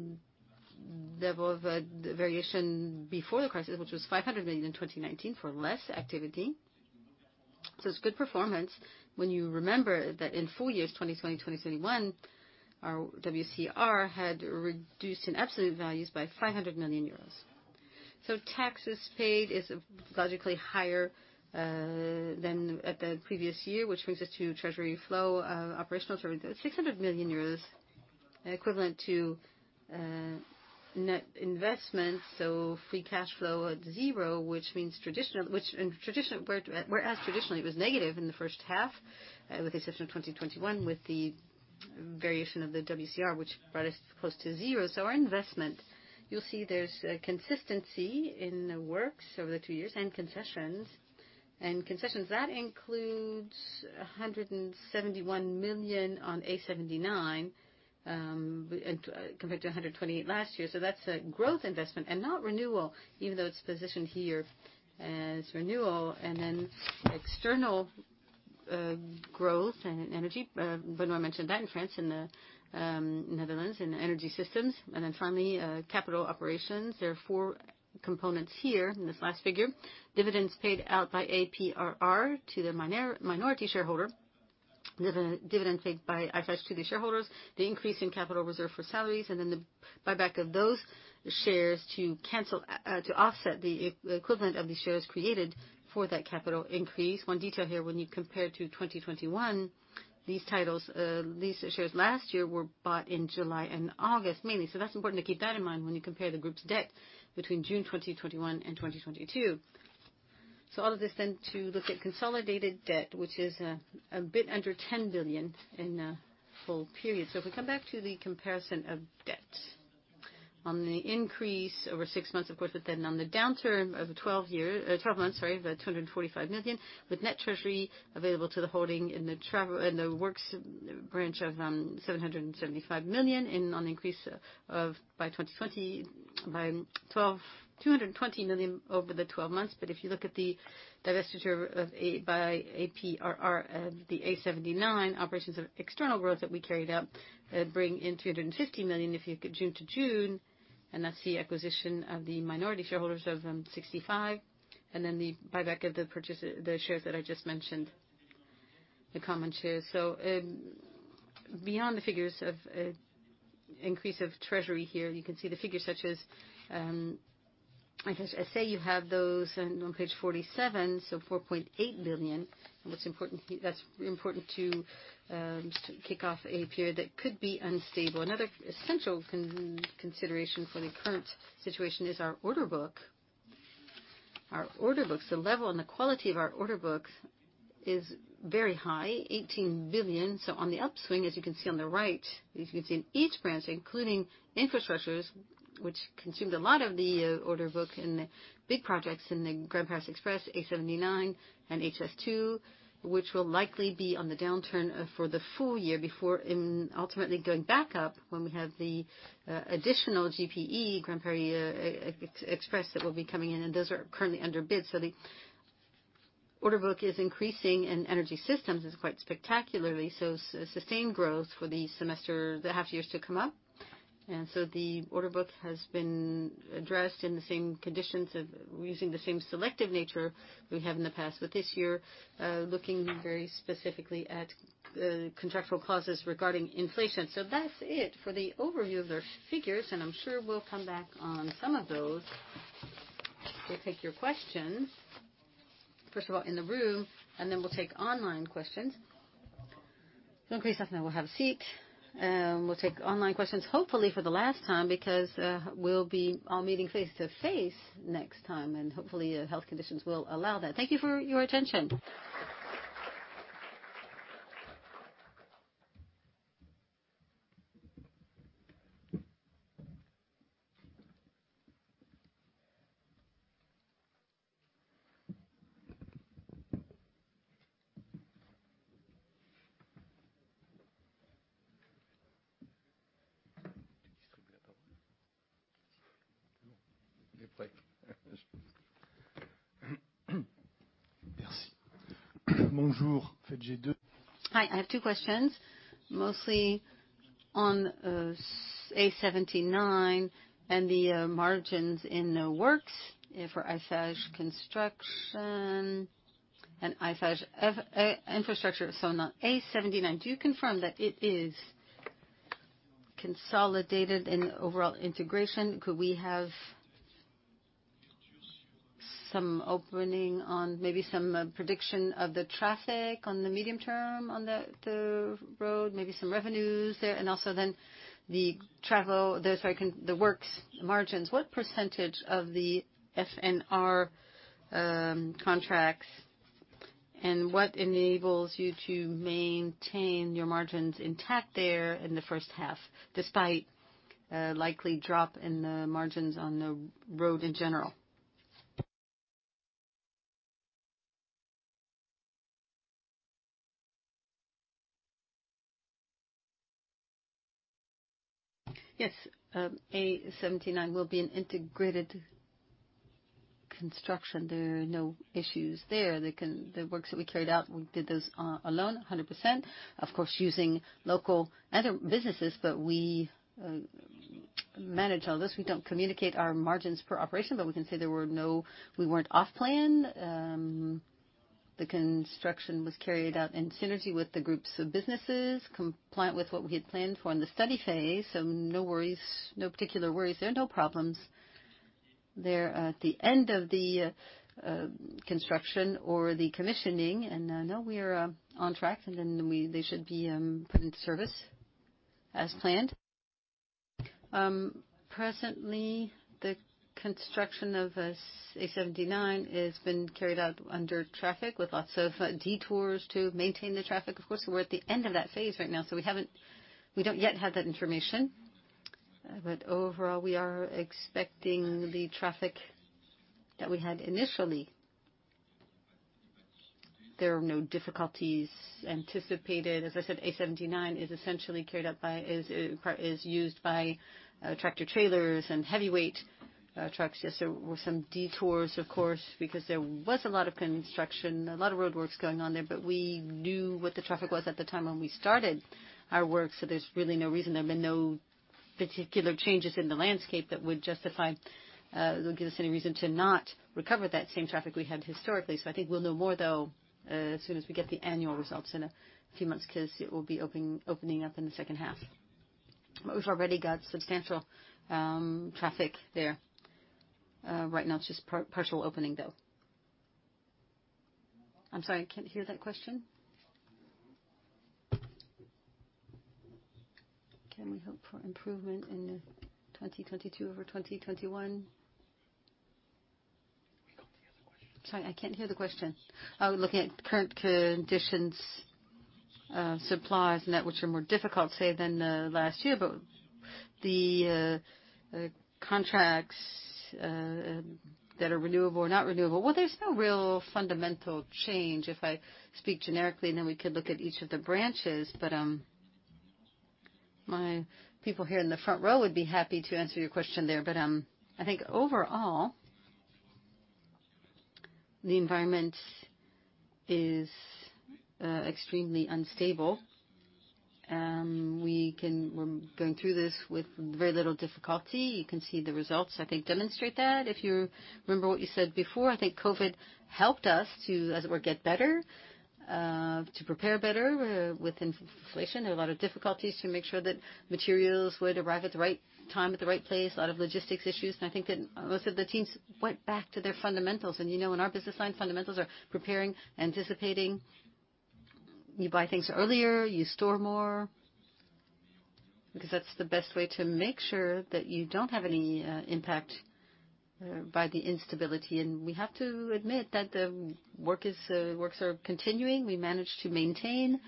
level of the variation before the crisis, which was 500 million in 2019 for less activity. It's good performance when you remember that in full years, 2020, 2021, our WCR had reduced in absolute values by 500 million euros. Taxes paid is logically higher than at the previous year, which brings us to cash flow from operating activities, EUR 600 million, equivalent to net investment, free cash flow at zero, which means whereas traditionally it was negative in the first half, with the exception of 2021, with the variation of the WCR, which brought us close to zero. Our investment, you'll see there's a consistency in the works over the two years, and concessions. Concessions, that includes 171 million on A79, compared to 128 last year. That's a growth investment and not renewal, even though it's positioned here as renewal. Then external growth in energy. Benoît mentioned that in France and the Netherlands in energy systems. Then finally, capital operations. There are four components here in this last figure. Dividends paid out by APRR to their minority shareholder. Dividends paid by Eiffage to the shareholders. The increase in capital reserve for salaries, and then the buyback of those shares to cancel, to offset the equivalent of the shares created for that capital increase. One detail here, when you compare to 2021, these titles, these shares last year were bought in July and August mainly. That's important to keep that in mind when you compare the group's debt between June 2021 and 2022. All of this then to look at consolidated debt, which is a bit under 10 billion in a full period. If we come back to the comparison of debt. On the increase over six months, of course, but then on the downturn over 12 months, sorry, of 245 million, with net treasury available to the holding in the overall, in the works branch of 775 million, and an increase of 220 million over the 12 months. If you look at the divestiture by APRR of the A79 operations of external growth that we carried out that bring in 350 million if you take June to June, and that's the acquisition of the minority shareholders of 65 million, and then the buyback of the shares that I just mentioned, the common shares. Beyond the figures of increase of treasury here, you can see the figures such as, I guess, say you have those on page 47, 4.8 billion. What's important, that's important to kick off a period that could be unstable. Another essential consideration for the current situation is our order book. Our order book, the level and the quality of our order book is very high, 18 billion. On the upswing, as you can see on the right, as you can see in each branch, including infrastructures, which consumed a lot of the order book in big projects in the Grand Paris Express, A79, and HS2, which will likely be on the downturn for the full year before ultimately going back up when we have the additional GPE, Grand Paris Express that will be coming in, and those are currently under bid. The order book is increasing and energy systems is quite spectacularly sustained growth for the semester, the half years to come up. The order book has been addressed in the same conditions of using the same selective nature we have in the past, but this year looking very specifically at the contractual clauses regarding inflation. That's it for the overview of their figures, and I'm sure we'll come back on some of those. We'll take your questions, first of all, in the room, and then we'll take online questions. Benoît and I will have a seat, we'll take online questions, hopefully for the last time, because we'll be all meeting face-to-face next time, and hopefully, health conditions will allow that. Thank you for your attention. Merci. Bonjour. In fact, Hi. I have two questions, mostly on A79 and the margins in the works for Eiffage Construction and Eiffage Infrastructures. On the A79, do you confirm that it is consolidated in overall integration? Could we have some opening on maybe some prediction of the traffic on the medium term on the road, maybe some revenues there? The works margins, what percentage of the FNR contracts, and what enables you to maintain your margins intact there in the first half, despite likely drop in the margins on the road in general? Yes. A79 will be an integrated construction. There are no issues there. The works that we carried out, we did those alone, 100%. Of course, using local and other businesses, but we manage all this. We don't communicate our margins per operation, but we can say we weren't off plan. The construction was carried out in synergy with the groups of businesses, compliant with what we had planned for in the study phase. No worries, no particular worries there, no problems. They're at the end of the construction or the commissioning. We are on track, and they should be put into service as planned. Presently, the construction of the A79 has been carried out under traffic with lots of detours to maintain the traffic. Of course, we're at the end of that phase right now, so we don't yet have that information. Overall, we are expecting the traffic that we had initially. There are no difficulties anticipated. As I said, A79 is essentially used by tractor-trailers and heavyweight trucks. Yes, there were some detours, of course, because there was a lot of construction, a lot of roadworks going on there, but we knew what the traffic was at the time when we started our work, so there's really no reason. There have been no particular changes in the landscape that would justify, that would give us any reason to not recover that same traffic we had historically. I think we'll know more, though, as soon as we get the annual results in a few months because it will be opening up in the second half. We've already got substantial traffic there. Right now, it's just partial opening, though. I'm sorry, I can't hear that question. Can we hope for improvement in 2022 over 2021? We can't hear the question. Sorry, I can't hear the question. Oh, looking at current conditions, supplies, and that which are more difficult, say, than last year, but the contracts that are renewable or not renewable. Well, there's no real fundamental change, if I speak generically, and then we could look at each of the branches. My people here in the front row would be happy to answer your question there. I think overall the environment is extremely unstable. We're going through this with very little difficulty. You can see the results, I think, demonstrate that. If you remember what you said before, I think COVID helped us to, as it were, get better, to prepare better with inflation. There were a lot of difficulties to make sure that materials would arrive at the right time, at the right place, a lot of logistics issues. I think that most of the teams went back to their fundamentals. You know, in our business line, fundamentals are preparing, anticipating. You buy things earlier, you store more, because that's the best way to make sure that you don't have any impact by the instability. We have to admit that the works are continuing. We managed to maintain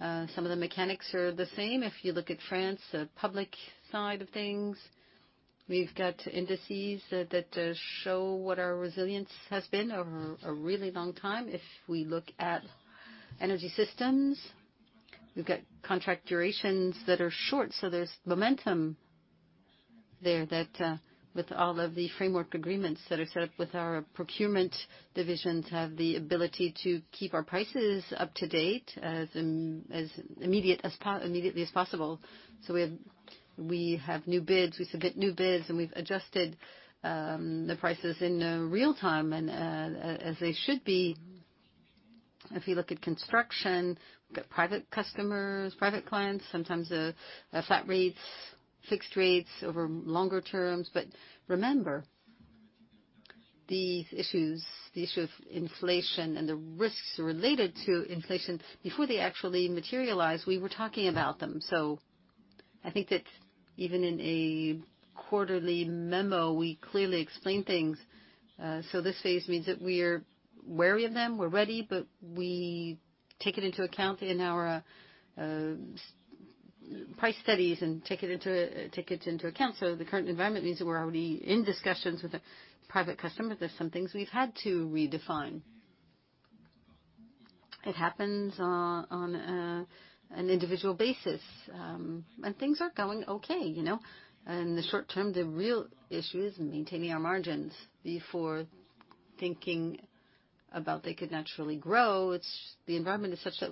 some of the mechanics are the same. If you look at France, the public side of things, we've got indices that show what our resilience has been over a really long time. If we look at energy systems, we've got contract durations that are short, so there's momentum there that, with all of the framework agreements that are set up with our procurement divisions, have the ability to keep our prices up to date as immediately as possible. We have new bids, we submit new bids, and we've adjusted the prices in real time and as they should be. If you look at construction, we've got private customers, private clients, sometimes flat rates, fixed rates over longer terms. Remember, these issues, the issue of inflation and the risks related to inflation, before they actually materialize, we were talking about them. I think that even in a quarterly memo, we clearly explain things. This phase means that we're wary of them, we're ready, but we take it into account in our price studies and take it into account. The current environment means that we're already in discussions with a private customer. There's some things we've had to redefine. It happens on an individual basis, and things are going okay, you know. In the short term, the real issue is maintaining our margins before thinking about they could naturally grow. The environment is such that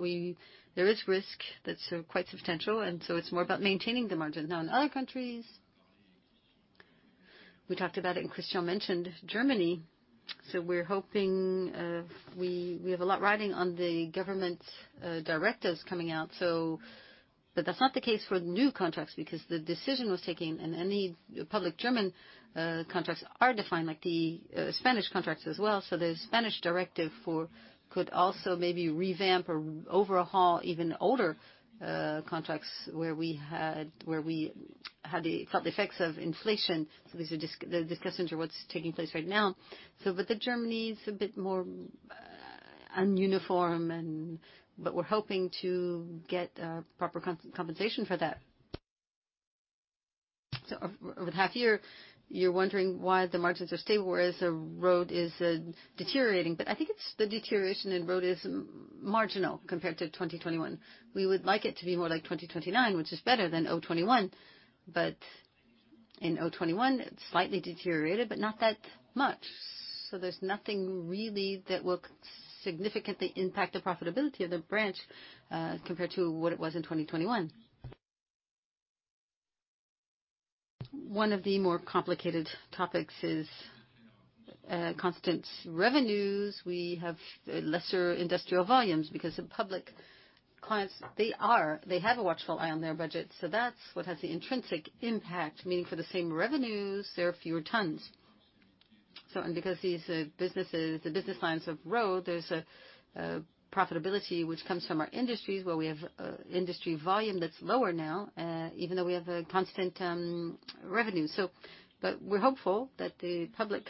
there is risk that's quite substantial, and so it's more about maintaining the margin. Now, in other countries, we talked about it, and Christian mentioned Germany. We're hoping we have a lot riding on the government directives coming out. But that's not the case for new contracts because the decision was taken, and any public German contracts are defined, like the Spanish contracts as well. The Spanish directive could also maybe revamp or overhaul even older contracts where we had felt the effects of inflation. They're discussing what's taking place right now. Germany's a bit more nonuniform. We're hoping to get proper compensation for that. Over the half year, you're wondering why the margins are stable, whereas the road is deteriorating. I think the deterioration in the road is marginal compared to 2021. We would like it to be more like 2029, which is better than 2021. In 2021, it slightly deteriorated, but not that much. There's nothing really that will significantly impact the profitability of the branch, compared to what it was in 2021. One of the more complicated topics is constant revenues. We have lesser industrial volumes because the public clients, they have a watchful eye on their budget. That's what has the intrinsic impact. Meaning for the same revenues, there are fewer tons. Because these businesses, the business lines of road, there's a profitability which comes from our industries, where we have industry volume that's lower now, even though we have a constant revenue. We're hopeful that the public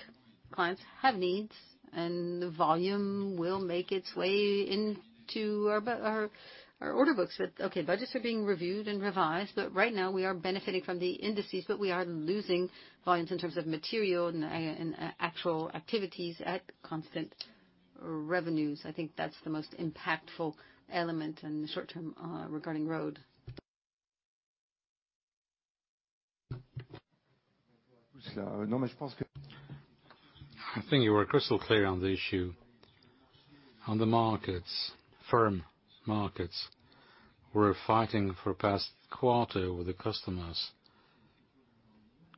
clients have needs and volume will make its way into our order books. Okay, budgets are being reviewed and revised, but right now we are benefiting from the indices, but we are losing volumes in terms of material and actual activities at constant revenues. I think that's the most impactful element in the short term regarding road. I think you were crystal clear on the issue. On the markets, firm markets, we're fighting for the past quarter with the customers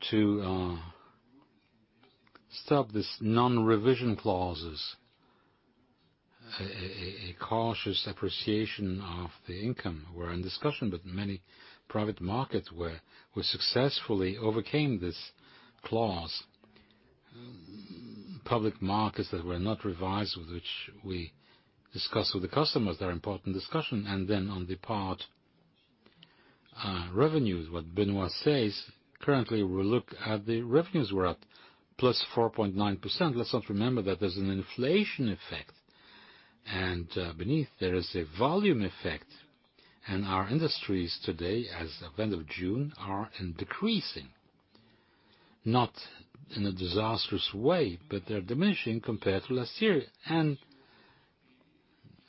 to stop this non-revision clauses, a cautious appreciation of the income. We're in discussion with many private markets where we successfully overcame this clause. Public markets that were not revised, with which we discuss with the customers, they're important discussion. On the part revenues, what Benoît says, currently, we look at the revenues were up +4.9%. Let's not remember that there's an inflation effect, and beneath there is a volume effect. Our industries today, as of end of June, are in decreasing. Not in a disastrous way, but they're diminishing compared to last year.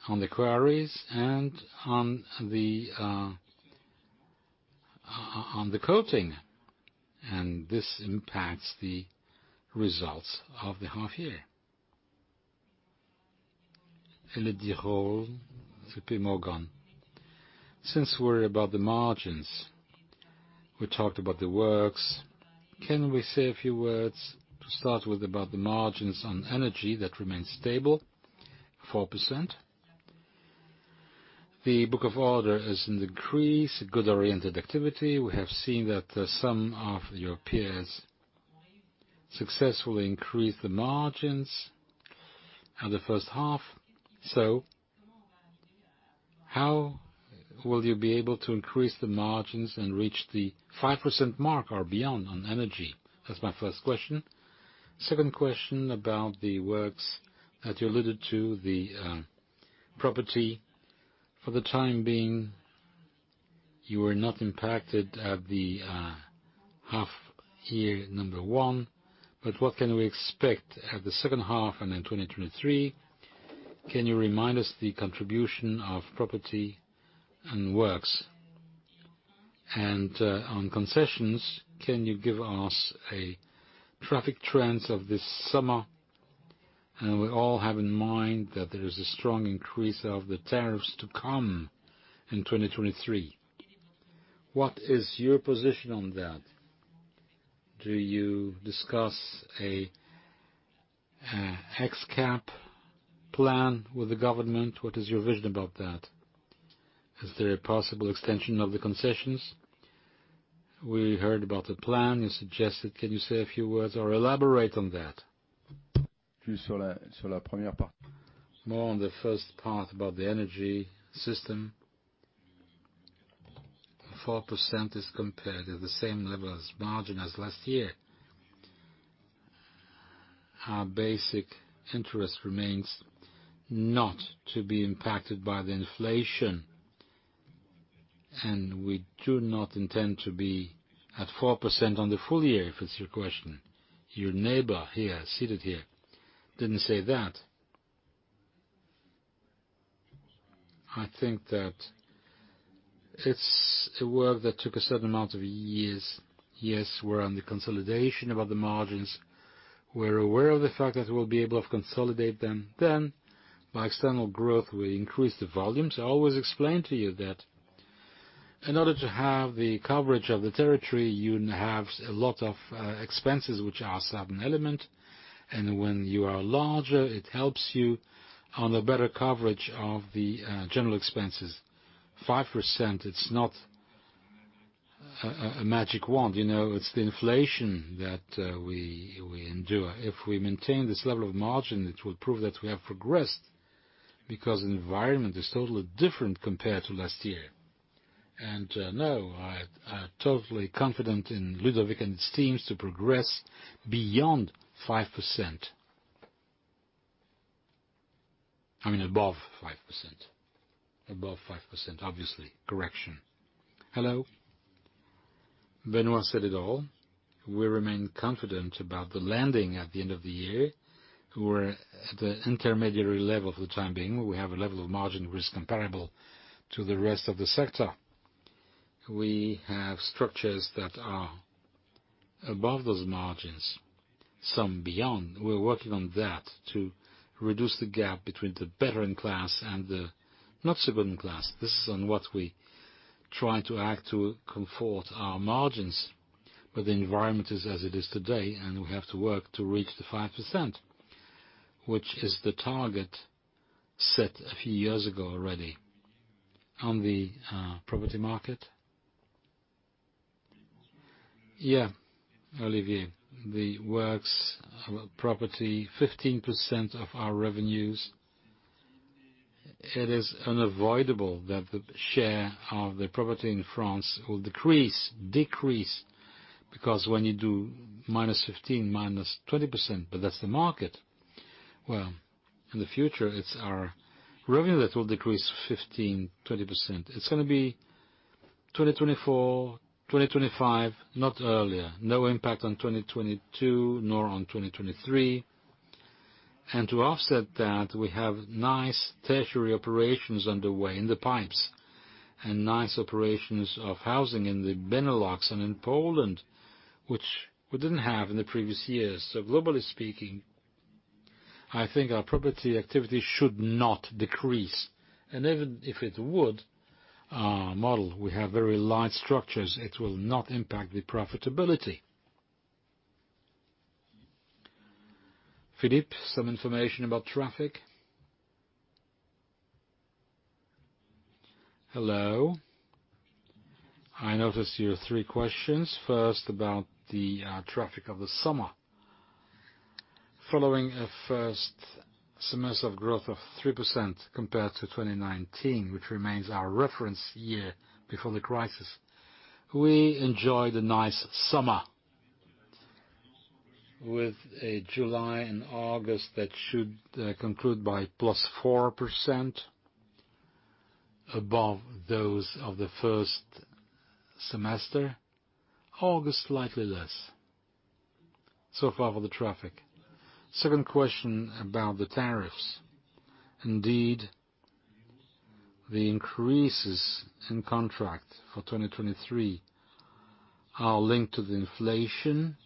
On the quarries and on the coating, and this impacts the results of the half year. Since we're about the margins, we talked about the works. Can we say a few words to start with about the margins on energy that remains stable, 4%? The order book is increasing, good oriented activity. We have seen that some of your peers successfully increased the margins in the first half. How will you be able to increase the margins and reach the 5% mark or beyond on energy? That's my first question. Second question about the works that you alluded to, the property. For the time being, you were not impacted at the half year on the one. What can we expect at the second half and in 2023? Can you remind us the contribution of property and works? On concessions, can you give us the traffic trends of this summer? We all have in mind that there is a strong increase of the tariffs to come in 2023. What is your position on that? Do you discuss a X Cap plan with the government? What is your vision about that? Is there a possible extension of the concessions? We heard about the plan you suggested. Can you say a few words or elaborate on that? More on the first part about the energy system. 4% is compared at the same level as margin as last year. Our basic interest remains not to be impacted by the inflation, and we do not intend to be at 4% on the full year, if it's your question. Your neighbor here, seated here, didn't say that. I think that it's a work that took a certain amount of years. Yes, we're on the consolidation about the margins. We're aware of the fact that we'll be able to consolidate them. By external growth, we increase the volumes. I always explain to you that in order to have the coverage of the territory, you have a lot of expenses, which are a certain element. When you are larger, it helps you on a better coverage of the general expenses. 5%, it's not a magic word, you know, it's the inflation that we endure. If we maintain this level of margin, it will prove that we have progressed, because the environment is totally different compared to last year. I'm totally confident in Ludovic and his teams to progress beyond 5%. I mean above 5%. Above 5%, obviously. Correction. Hello. Benoît said it all. We remain confident about the landing at the end of the year. We're at the intermediary level for the time being. We have a level of margin risk comparable to the rest of the sector. We have structures that are above those margins, some beyond. We're working on that to reduce the gap between the veteran class and the not so veteran class. This is on what we try to act to comfort our margins. The environment is as it is today, and we have to work to reach the 5%, which is the target set a few years ago already. On the property market. Yeah, Olivier. The property works, 15% of our revenues, it is unavoidable that the share of the property in France will decrease. Because when you do -15%, -20%, but that's the market. Well, in the future, it's our revenue that will decrease 15%, 20%. It's gonna be 2024, 2025, not earlier. No impact on 2022, nor on 2023. To offset that, we have nice treasury operations underway in the pipes and nice operations of housing in the Benelux and in Poland, which we didn't have in the previous years. Globally speaking, I think our property activity should not decrease. Even if it would, our model, we have very light structures. It will not impact the profitability. Philippe, some information about traffic? Hello. I noticed your three questions. First, about the traffic of the summer. Following a first semester of growth of 3% compared to 2019, which remains our reference year before the crisis. We enjoyed a nice summer with a July and August that should conclude by +4% above those of the first semester. August, slightly less. So far for the traffic. Second question about the tariffs. Indeed, the increases in contract for 2023 are linked to the inflation.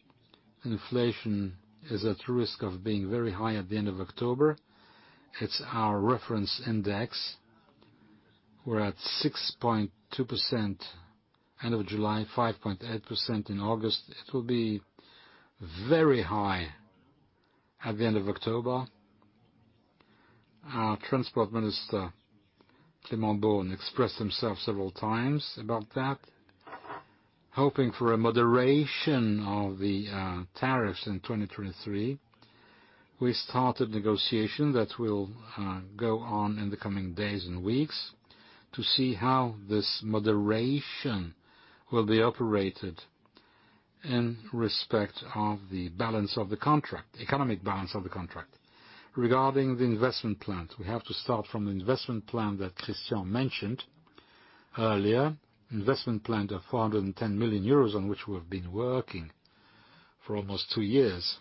Inflation is at risk of being very high at the end of October. It's our reference index. We're at 6.2% end of July, 5.8% in August. It will be very high at the end of October. Our Transport Minister, Clément Beaune, expressed himself several times about that, hoping for a moderation of the tariffs in 2023. We started negotiation that will go on in the coming days and weeks to see how this moderation will be operated in respect of the balance of the contract, economic balance of the contract. Regarding the investment plans, we have to start from the investment plan that Christian mentioned earlier. Investment plan of 410 million euros on which we've been working for almost two years.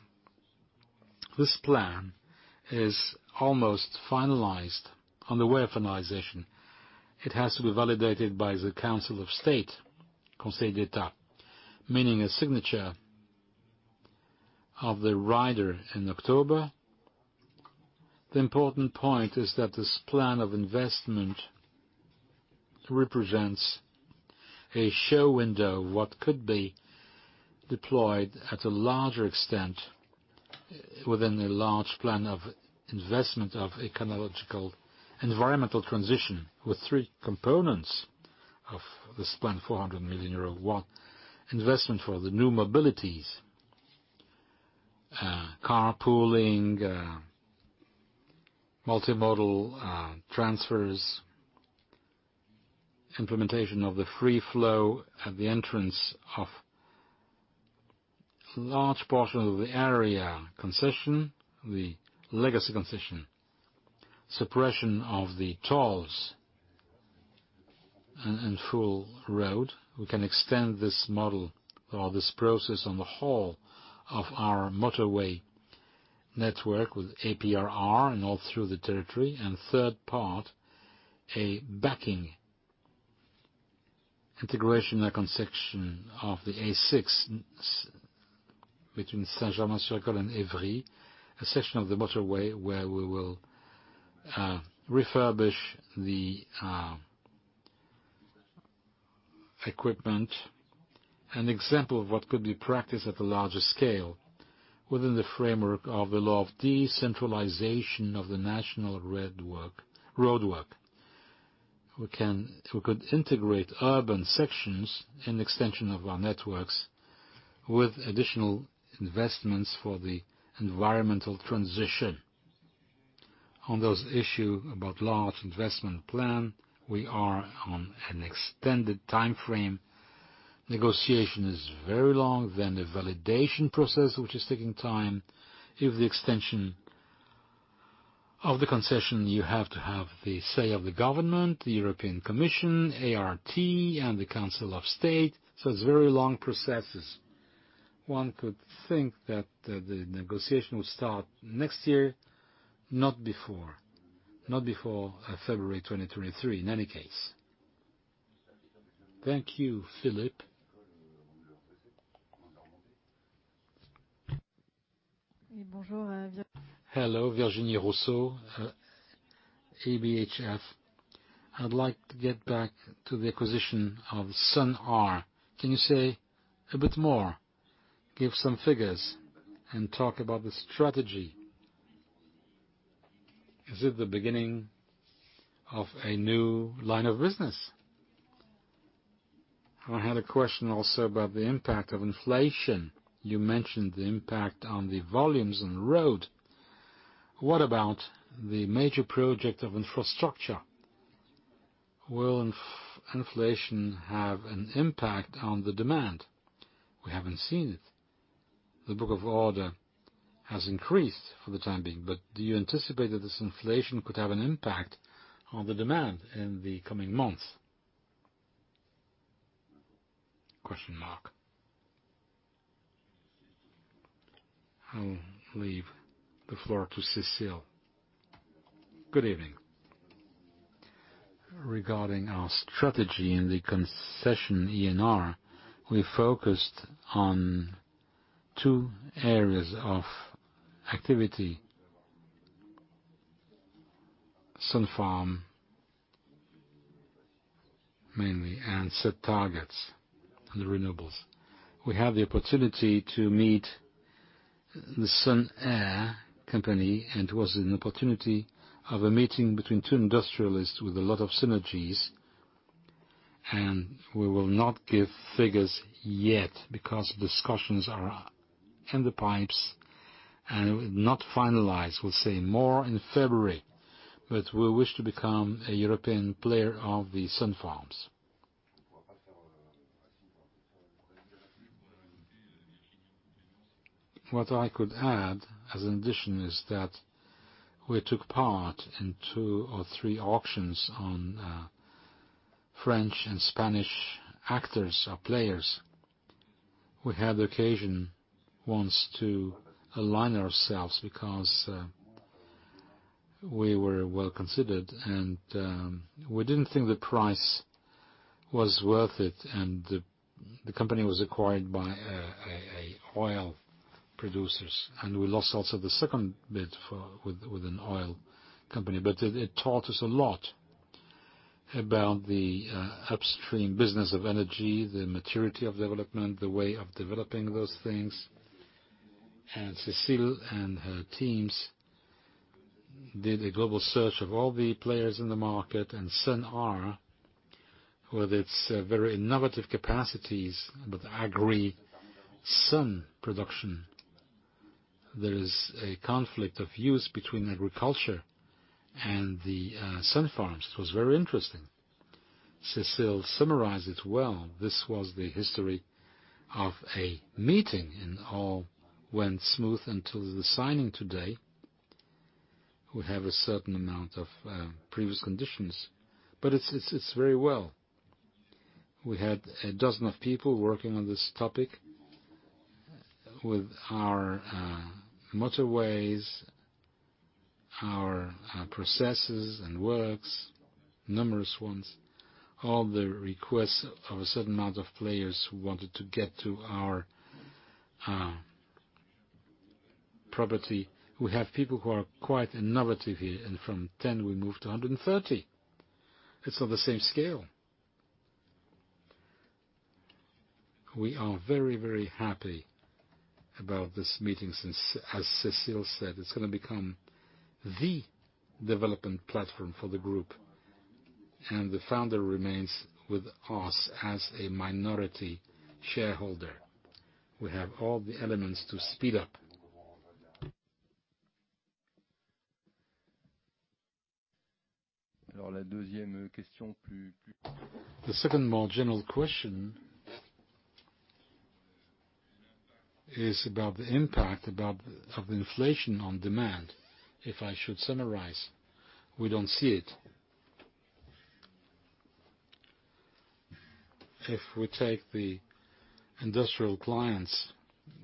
This plan is almost finalized, on the way of finalization. It has to be validated by the Council of State, Conseil d'État, meaning a signature of the rider in October. The important point is that this plan of investment represents a show window, what could be deployed at a larger extent within the large plan of investment of ecological, environmental transition, with three components of this plan, 400 million euro. One, investment for the new mobilities, carpooling, multimodal, transfers, implementation of the free flow at the entrance of large portion of the AREA concession, the legacy concession. Suppression of the tolls in full road. We can extend this model or this process on the whole of our motorway network with APRR and all through the territory. Third part, a backward integration like on section of the A6 between Saint-Germain-en-Laye and Évry, a section of the motorway where we will refurbish the equipment. An example of what could be practiced at a larger scale within the framework of the law of decentralization of the national road network. We could integrate urban sections in extension of our networks with additional investments for the environmental transition. On those issues about large investment plan, we are on an extended timeframe. Negotiation is very long, then the validation process, which is taking time. If the extension of the concession, you have to have the say of the government, the European Commission, ART, and the Council of State, so it's very long processes. One could think that the negotiation will start next year, not before. Not before February 2023, in any case. Thank you, Philippe. Hello, Virginie Rousseau, ODDO BHF. I'd like to get back to the acquisition of Sun'R. Can you say a bit more, give some figures, and talk about the strategy? Is it the beginning of a new line of business? I had a question also about the impact of inflation. You mentioned the impact on the volumes on the road. What about the major project of infrastructure? Will inflation have an impact on the demand? We haven't seen it. The order book has increased for the time being, but do you anticipate that this inflation could have an impact on the demand in the coming months? I'll leave the floor to Cécile. Good evening. Regarding our strategy in the Concession ENR, we focused on two areas of activity. Solar farm mainly, and set targets on the renewables. We have the opportunity to meet the Sun'R company, and it was an opportunity of a meeting between two industrialists with a lot of synergies. And we will not give figures yet because discussions are in the pipeline and not finalized. We'll say more in February. We wish to become a European player of the sun farms. What I could add as an addition is that we took part in two or three auctions on French and Spanish actors or players. We had the occasion once to align ourselves because we were well considered, and we didn't think the price was worth it. The company was acquired by an oil producer, and we lost also the second bid with an oil company. It taught us a lot about the upstream business of energy, the maturity of development, the way of developing those things. Cécile and her teams did a global search of all the players in the market. Sun'R, with its very innovative capacities with agrivoltaics, there is a conflict of use between agriculture and the sun farms. It was very interesting. Cécile summarized it well. This was the history of a meeting, and all went smooth until the signing today. We have a certain amount of previous conditions, but it's very well. We had a dozen of people working on this topic with our motorways, our processes and works, numerous ones. All the requests of a certain amount of players who wanted to get to our property. We have people who are quite innovative here, and from 10 we moved to 130. It's on the same scale. We are very, very happy about this meeting since, as Cécile said, it's gonna become the development platform for the group, and the founder remains with us as a minority shareholder. We have all the elements to speed up. The second more general question is about the impact of inflation on demand. If I should summarize, we don't see it. If we take the industrial clients,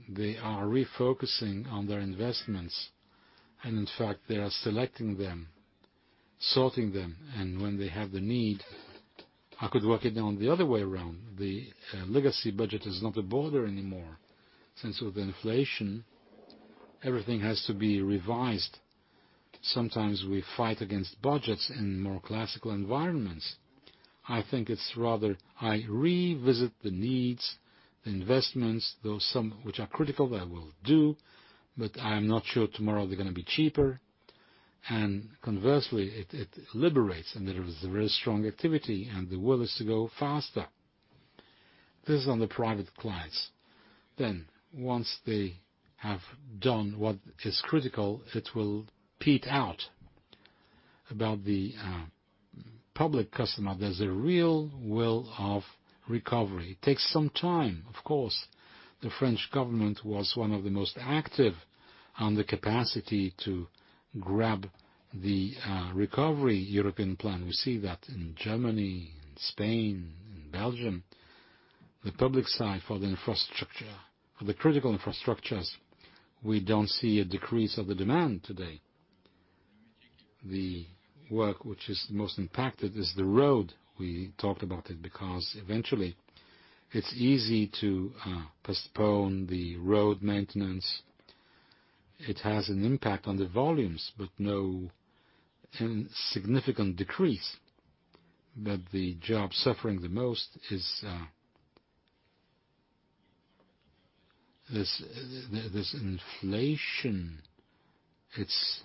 they are refocusing on their investments, and in fact, they are selecting them, sorting them, and when they have the need, I could work it on the other way around. The legacy budget is not a border anymore. Since with inflation, everything has to be revised. Sometimes we fight against budgets in more classical environments. I think it's rather I revisit the needs, the investments, those some which are critical that will do, but I'm not sure tomorrow they're gonna be cheaper. Conversely, it liberates, and there is a very strong activity, and the will is to go faster. This is on the private clients. Once they have done what is critical, it will peak out. About the public customer, there's a real will of recovery. It takes some time, of course. The French government was one of the most active on the capacity to grab the recovery European plan. We see that in Germany, in Spain, in Belgium. The public side for the infrastructure, for the critical infrastructures, we don't see a decrease of the demand today. The work which is most impacted is the road. We talked about it, because eventually, it's easy to postpone the road maintenance. It has an impact on the volumes, but no significant decrease. The job suffering the most is this inflation, it's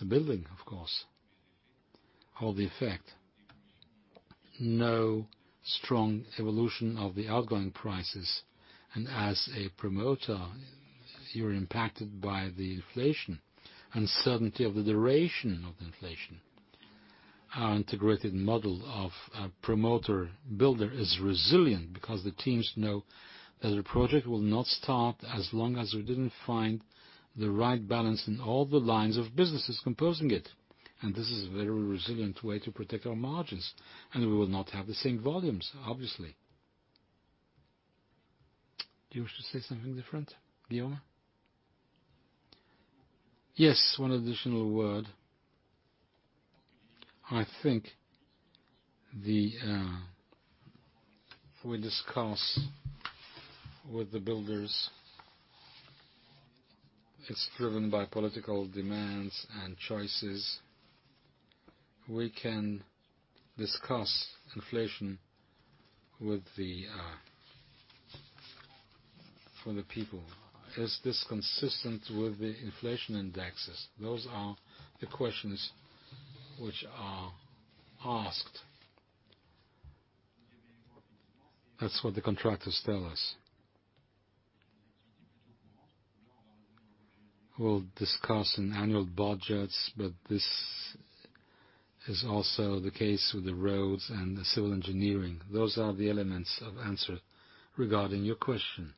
the building, of course. All the effect. No strong evolution of the output prices. As a promoter, you're impacted by the inflation, uncertainty of the duration of inflation. Our integrated model of a promoter builder is resilient because the teams know that the project will not start as long as we didn't find the right balance in all the lines of businesses composing it. This is a very resilient way to protect our margins. We will not have the same volumes, obviously. Do you wish to say something different, Guillaume? Yes, one additional word. I think we discuss with the builders. It's driven by political demands and choices. We can discuss inflation with the public for the people. Is this consistent with the inflation indexes? Those are the questions which are asked. That's what the contractors tell us. We'll discuss in annual budgets, but this is also the case with the roads and the civil engineering. Those are the elements of answer regarding your question.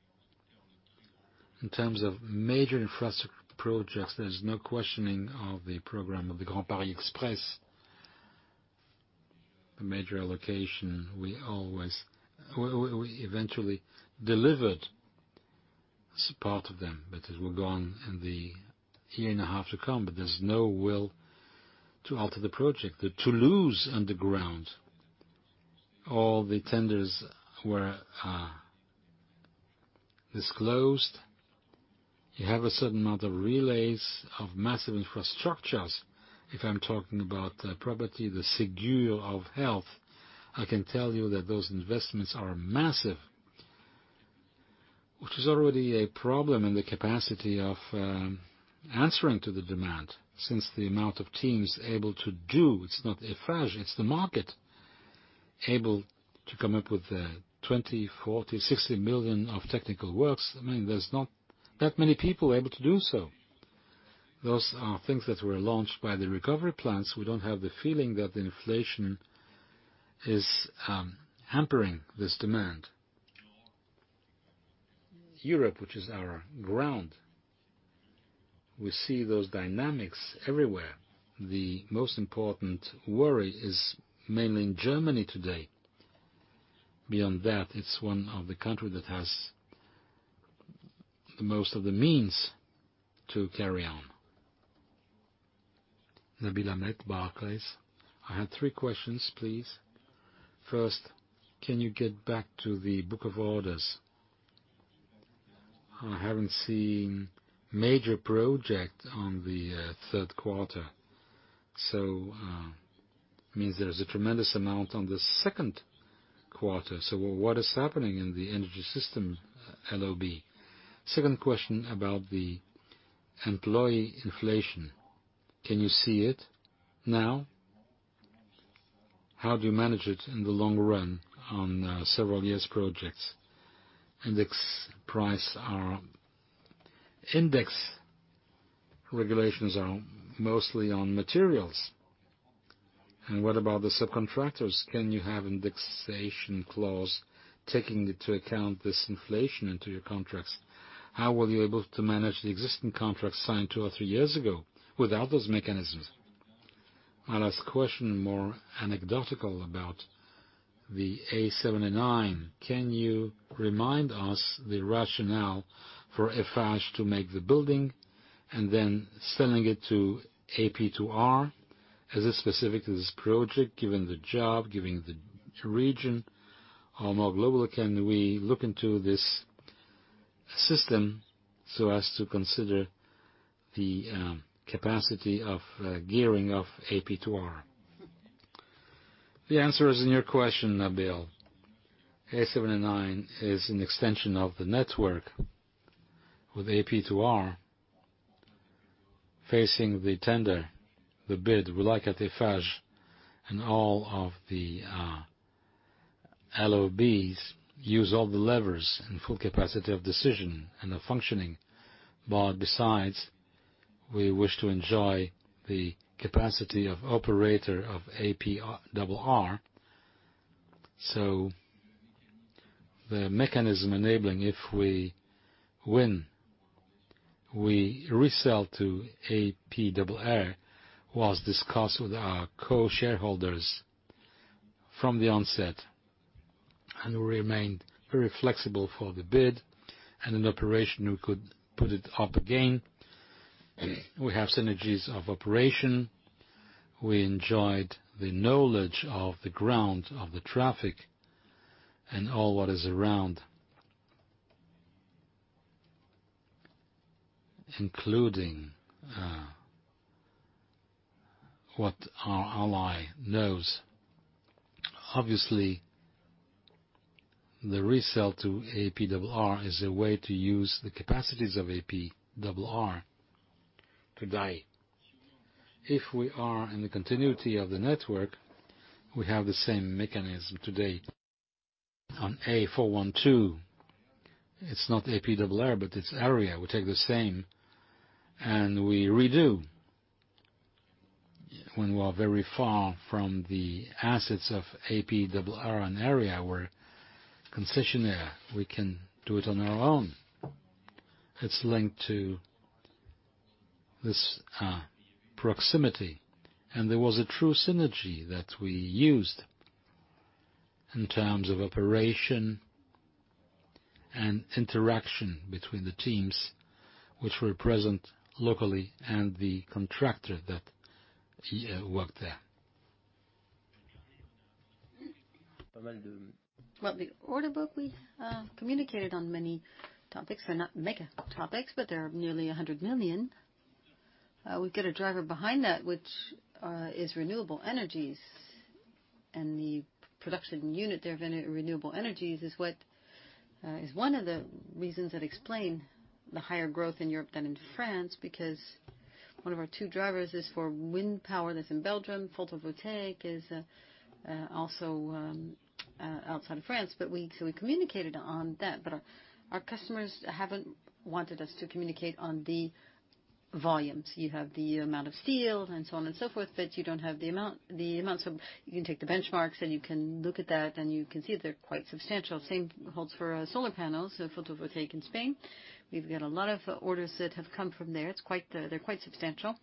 In terms of major infrastructure projects, there's no questioning of the program of the Grand Paris Express. The major allocation, we always eventually delivered part of them, but as we're going in the year and a half to come. There's no will to alter the project. The Toulouse underground, all the tenders were disclosed. You have a certain amount of relays of massive infrastructures. If I'm talking about the property, the CHU of health, I can tell you that those investments are massive, which is already a problem in the capacity of answering to the demand since the amount of teams able to do, it's not Eiffage, it's the market, able to come up with 20 million, 40 million, 60 million of technical works. I mean, there's not that many people able to do so. Those are things that were launched by the recovery plans. We don't have the feeling that the inflation is hampering this demand. Europe, which is our ground, we see those dynamics everywhere. The most important worry is mainly in Germany today. Beyond that, it's one of the country that has the most of the means to carry on. Nabil El-Amra, Barclays. I have three questions, please. First, can you get back to the book of orders? I haven't seen major project on the third quarter, so means there is a tremendous amount on the second quarter. What is happening in the energy system LOB? Second question about the employee inflation. Can you see it now? How do you manage it in the long run on several years projects? Index regulations are mostly on materials. What about the subcontractors? Can you have indexation clause taking into account this inflation into your contracts? How will you be able to manage the existing contracts signed two or three years ago without those mechanisms? Last question, more anecdotal about the A709. Can you remind us the rationale for Eiffage to make the building and then selling it to APRR? Is this specific to this project, given the job, given the region, or more globally, can we look into this system so as to consider the capacity of gearing of APRR? The answer is in your question, Nabil. A709 is an extension of the network with APRR facing the tender, the bid. We, like at Eiffage and all of the LOBs, use all the levers in full capacity of decision and of functioning. Besides, we wish to enjoy the capacity of operator of APRR. So the mechanism enabling, if we win, we resell to APRR, was discussed with our co-shareholders from the onset, and we remained very flexible for the bid. In operation, we could put it up again. We have synergies of operation. We enjoyed the knowledge of the ground, of the traffic, and all what is around, including what our ally knows. Obviously, the resale to APRR is a way to use the capacities of APRR today. If we are in the continuity of the network, we have the same mechanism today. On A412, it's not APRR, but it's AREA. We take the same, and we redo. When we are very far from the assets of APRR, an AREA where concessionaire, we can do it on our own. It's linked to this proximity. There was a true synergy that we used in terms of operation and interaction between the teams which were present locally and the contractor that worked there. Well, the order book, we communicated on many topics. They're not mega topics, but they are nearly 100 million. We've got a driver behind that, which is renewable energies. The production unit there of renewable energies is what is one of the reasons that explain the higher growth in Europe than in France, because one of our two drivers is for wind power that's in Belgium. Photovoltaic is also outside of France. We communicated on that, but our customers haven't wanted us to communicate on the volumes. You have the amount of steel and so on and so forth, but you don't have the amounts of. You can take the benchmarks, and you can look at that, and you can see they're quite substantial. Same holds for solar panels, so photovoltaic in Spain. We've got a lot of orders that have come from there. They're quite substantial.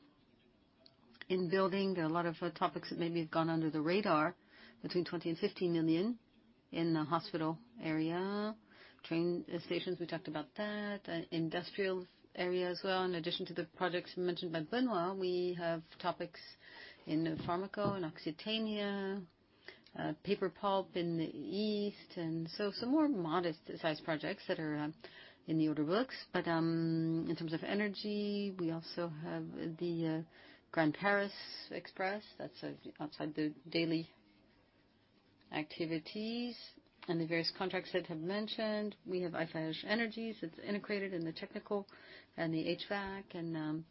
In building, there are a lot of topics that maybe have gone under the radar between 20 million-50 million in the hospital area. Train stations, we talked about that. Industrial area as well. In addition to the projects mentioned by Benoît, we have topics in pharma, in Occitanie, paper pulp in the East. Some more modest-sized projects that are in the order books. In terms of energy, we also have the Grand Paris Express, that's outside the daily activities and the various contracts that we've mentioned. We have Eiffage Énergie Systèmes, it's integrated in the technical and the HVAC, and,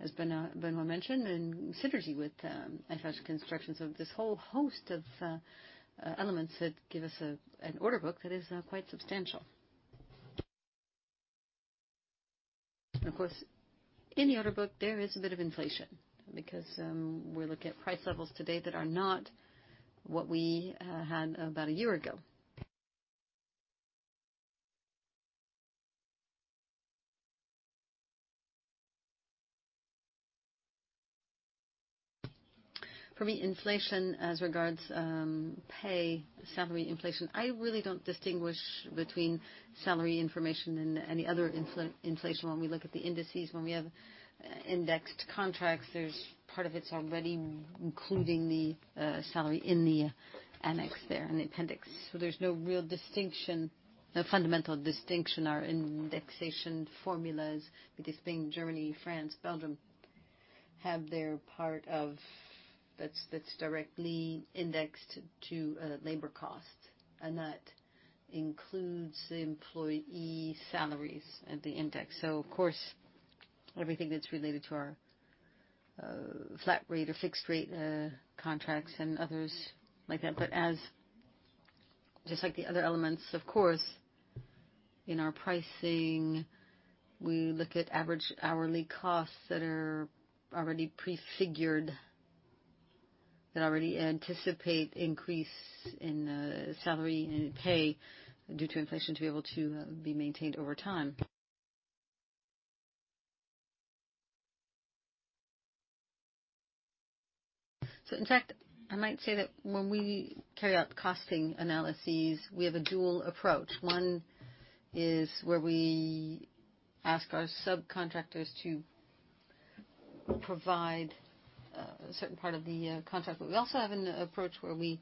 as Benoît mentioned, in synergy with Eiffage Construction. This whole host of elements that give us an order book that is quite substantial. Of course, in the order book, there is a bit of inflation because we look at price levels today that are not what we had about a year ago. For me, inflation as regards pay, salary inflation, I really don't distinguish between salary inflation and any other inflation. When we look at the indices, when we have indexed contracts, there's part of it's already including the salary in the annex there, in the appendix. There's no real distinction, no fundamental distinction. Our indexation formulas, because Spain, Germany, France, Belgium have their part of that. That's directly indexed to labor costs, and that includes the employee salaries at the index. Of course, everything that's related to our flat rate or fixed rate contracts and others like that. As just like the other elements, of course, in our pricing, we look at average hourly costs that are already prefigured, that already anticipate increase in salary and pay due to inflation to be able to be maintained over time. In fact, I might say that when we carry out costing analyses, we have a dual approach. One is where we ask our subcontractors to provide a certain part of the contract. We also have an approach where we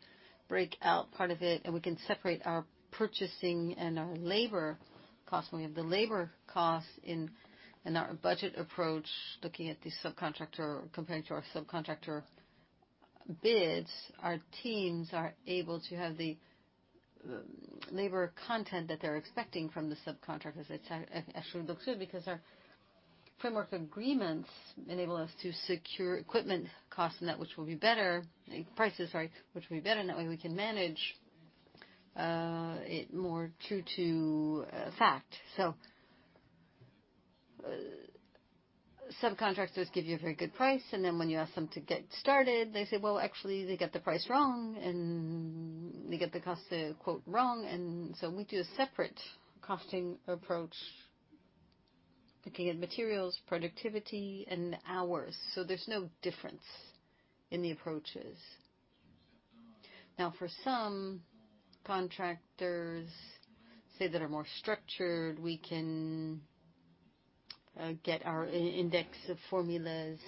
break out part of it, and we can separate our purchasing and our labor costs. When we have the labor costs in our budget approach, looking at the subcontractor compared to our subcontractor bids, our teams are able to have the labor content that they're expecting from the subcontractors. It actually looks good because our framework agreements enable us to secure equipment costs and that which will be better prices, right, which will be better, and that way we can manage it more true to fact. Subcontractors give you a very good price, and then when you ask them to get started, they say, well, actually, they got the price wrong and they get the cost quote wrong. We do a separate costing approach, looking at materials, productivity and hours. There's no difference in the approaches. For some contractors, say, that are more structured, we can get our index of formulas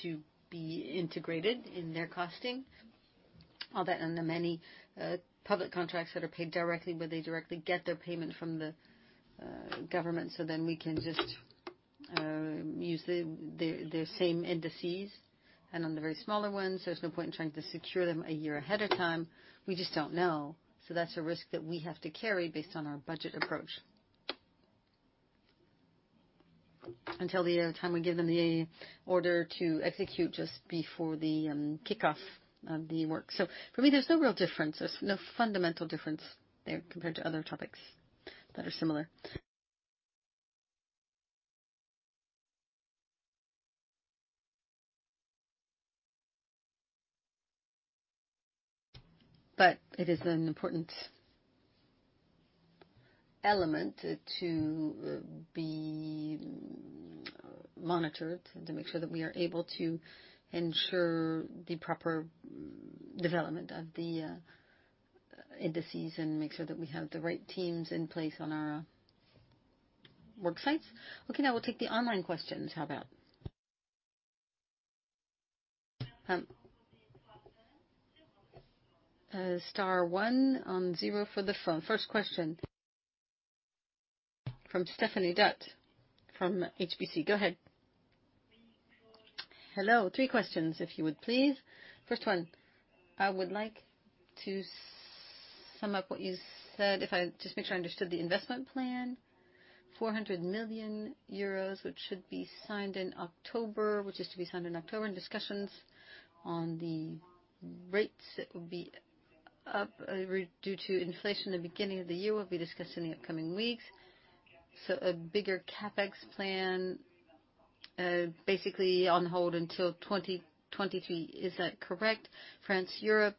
to be integrated in their costing. All that on the many public contracts that are paid directly, where they directly get their payment from the government, then we can just use the same indices. On the very smaller ones, there's no point in trying to secure them a year ahead of time. We just don't know. That's a risk that we have to carry based on our budget approach. Until the time we give them the order to execute just before the kickoff of the work. For me, there's no real difference. There's no fundamental difference there compared to other topics that are similar. It is an important element to be monitored to make sure that we are able to ensure the proper development of the indices and make sure that we have the right teams in place on our work sites. Okay. Now we'll take the online questions. How about star one zero for the phone. First question from Stéphanie D'Ath from HSBC. Go ahead. Hello. Three questions, if you would, please. First one, I would like to sum up what you said, if I just make sure I understood the investment plan, 400 million euros, which is to be signed in October, and discussions on the rates, it would be up due to inflation, the beginning of the year will be discussed in the upcoming weeks. So a bigger CapEx plan basically on hold until 2023. Is that correct? France, Europe,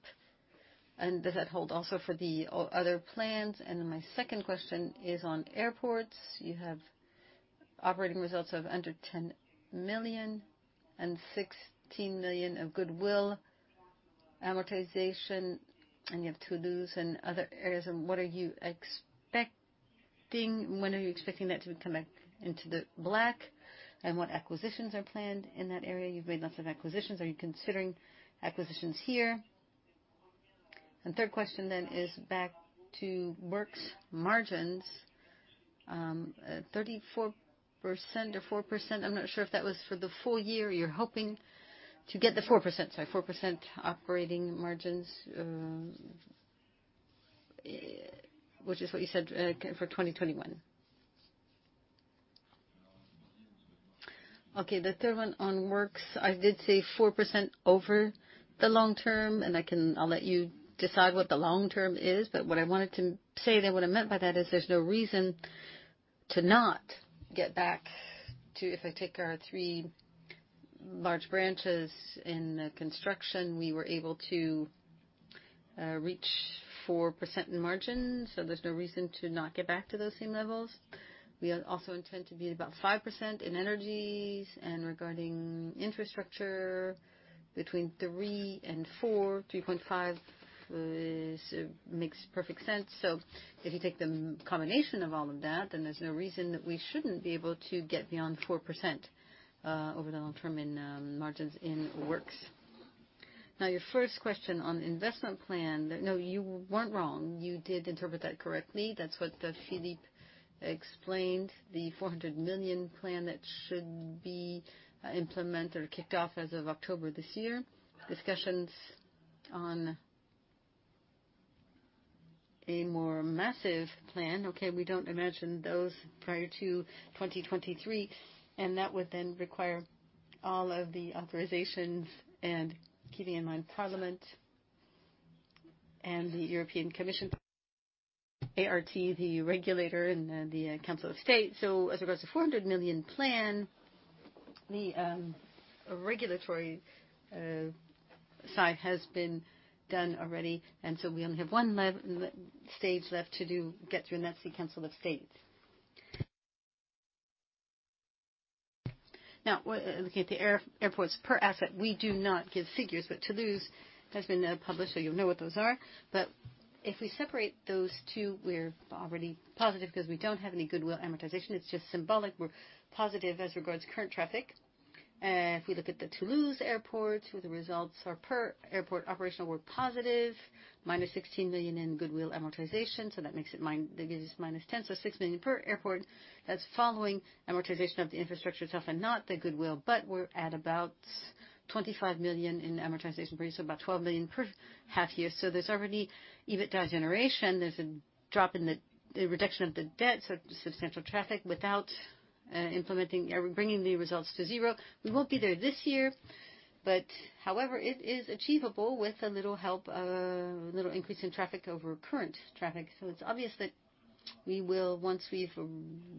does that hold also for the other plans? Then my second question is on airports. You have operating results of under 10 million and 16 million of goodwill amortization, and you have Toulouse and other areas. What are you expecting? When are you expecting that to come back into the black, what acquisitions are planned in that area? You've made lots of acquisitions. Are you considering acquisitions here? Third question is back to works margins, 34% or 4%. I'm not sure if that was for the full year. You're hoping to get the 4%, so 4% operating margins, which is what you said for 2021. Okay, the third one on works. I did say 4% over the long term, and I can... I'll let you decide what the long term is, but what I wanted to say and what I meant by that is there's no reason to not get back to. If I take our three large branches, in construction, we were able to reach 4% in margins, so there's no reason to not get back to those same levels. We also intend to be about 5% in energies and regarding infrastructure between 3%-4%, 3.5 makes perfect sense. If you take the combination of all of that, then there's no reason that we shouldn't be able to get beyond 4% over the long term in margins in works. Now, your first question on investment plan. No, you weren't wrong. You did interpret that correctly. That's what Philippe explained, the 400 million plan that should be implemented or kicked off as of October this year. Discussions on a more massive plan. Okay, we don't imagine those prior to 2023, and that would then require all of the authorizations and keeping in mind Parliament and the European Commission, ART, the regulator and the Council of State. As regards to 400 million plan, the regulatory side has been done already, and we only have one left stage left to do, get through, and that's the Council of State. Now, looking at the airports per asset, we do not give figures, but Toulouse has been published, so you'll know what those are. But if we separate those two, we're already positive because we don't have any goodwill amortization. It's just symbolic. We're positive as regards to current traffic. If we look at the Toulouse airports, where the results are per airport operational, we're positive, minus 16 million in goodwill amortization, so that gives us minus 10 million. So 6 million per airport. That's following amortization of the infrastructure itself and not the goodwill, but we're at about 25 million in amortization, so about 12 million per half year. There's already EBITDA generation. There's a drop in a reduction of the debt, so substantial traffic without implementing or bringing the results to zero. We won't be there this year, but however, it is achievable with a little help, a little increase in traffic over current traffic. It's obvious that we will, once we've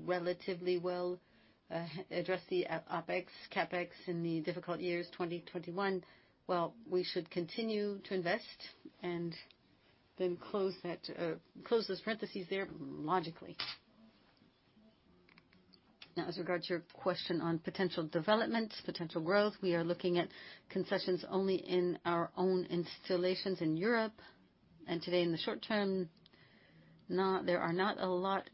relatively well addressed the OpEx, CapEx in the difficult years, 2021, well, we should continue to invest and then close those parentheses there logically. Now as regards to your question on potential development, potential growth, we are looking at Concessions only in our own installations in Europe. Today, in the short term, there are not a lot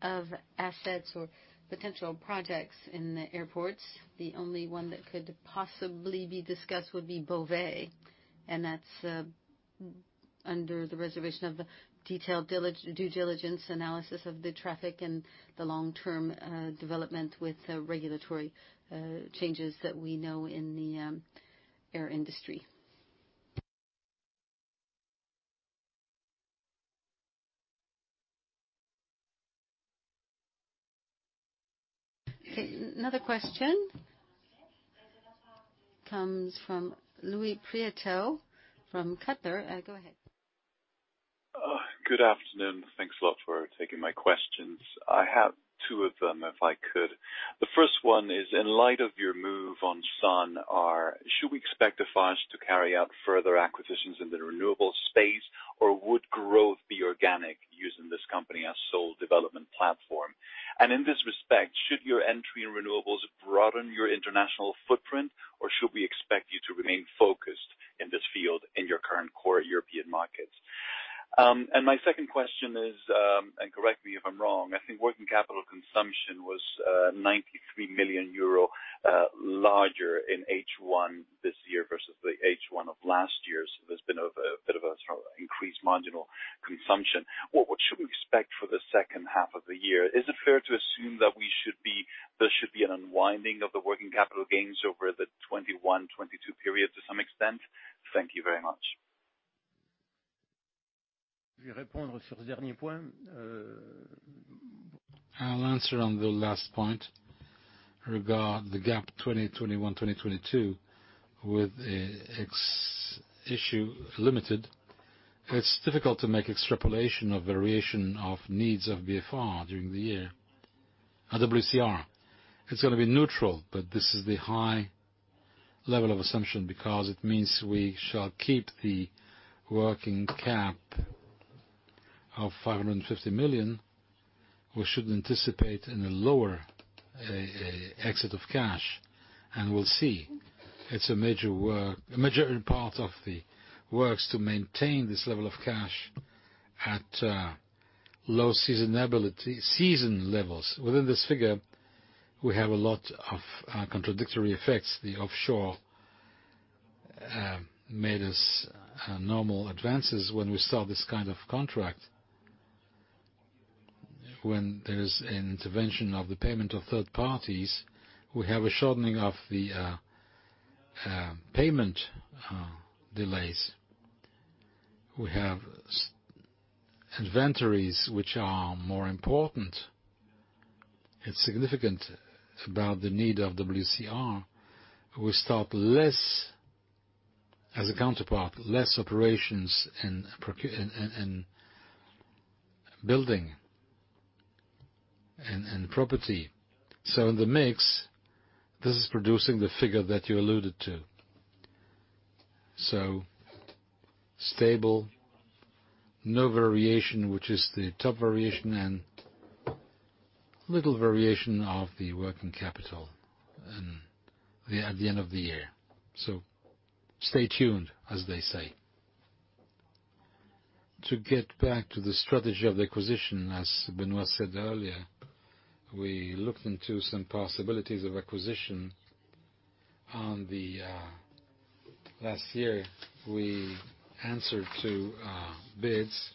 of assets or potential projects in the airports. The only one that could possibly be discussed would be Beauvais, and that's under the reservation of detailed due diligence analysis of the traffic and the long-term development with the regulatory changes that we know in the air industry. Okay. Another question comes from Louis Pialat from Kepler Cheuvreux. Go ahead. Good afternoon. Thanks a lot for taking my questions. I have two of them, if I could. The first one is, in light of your move on Sun'R, should we expect Eiffage to carry out further acquisitions in the renewables space, or would growth be organic using this company as sole development platform? In this respect, should your entry in renewables broaden your international footprint, or should we expect you to remain focused in this field in your current core European markets? My second question is, correct me if I'm wrong, I think working capital consumption was 93 million euro larger in H1 this year versus the H1 of last year. There's been a bit of a sort of increased marginal consumption. What should we expect for the second half of the year? Is it fair to assume that there should be an unwinding of the working capital gains over the 2021-2022 period to some extent? Thank you very much. I'll answer on the last point regarding the gap 2021-2022 with ex-issue limited. It's difficult to make extrapolation of variation of needs of BFR during the year. At WCR, it's gonna be neutral, but this is the high-level assumption because it means we shall keep the working cap of 550 million. We should anticipate a lower exit of cash, and we'll see. It's a major work, a major part of the works to maintain this level of cash at low seasonality, seasonal levels. Within this figure, we have a lot of contradictory effects. The offshore made us normal advances when we start this kind of contract. When there's an intervention of the payment of third parties, we have a shortening of the payment delays. We have inventories which are more important and significant about the need of WCR. We have less subcontracting, less operations and procurement in building and property. In the mix, this is producing the figure that you alluded to. So stable, no variation, which is the top variation and little variation of the working capital at the end of the year. So stay tuned, as they say. To get back to the strategy of the acquisition, as Benoît said earlier, we looked into some possibilities of acquisition. Over the last year, we answered two bids.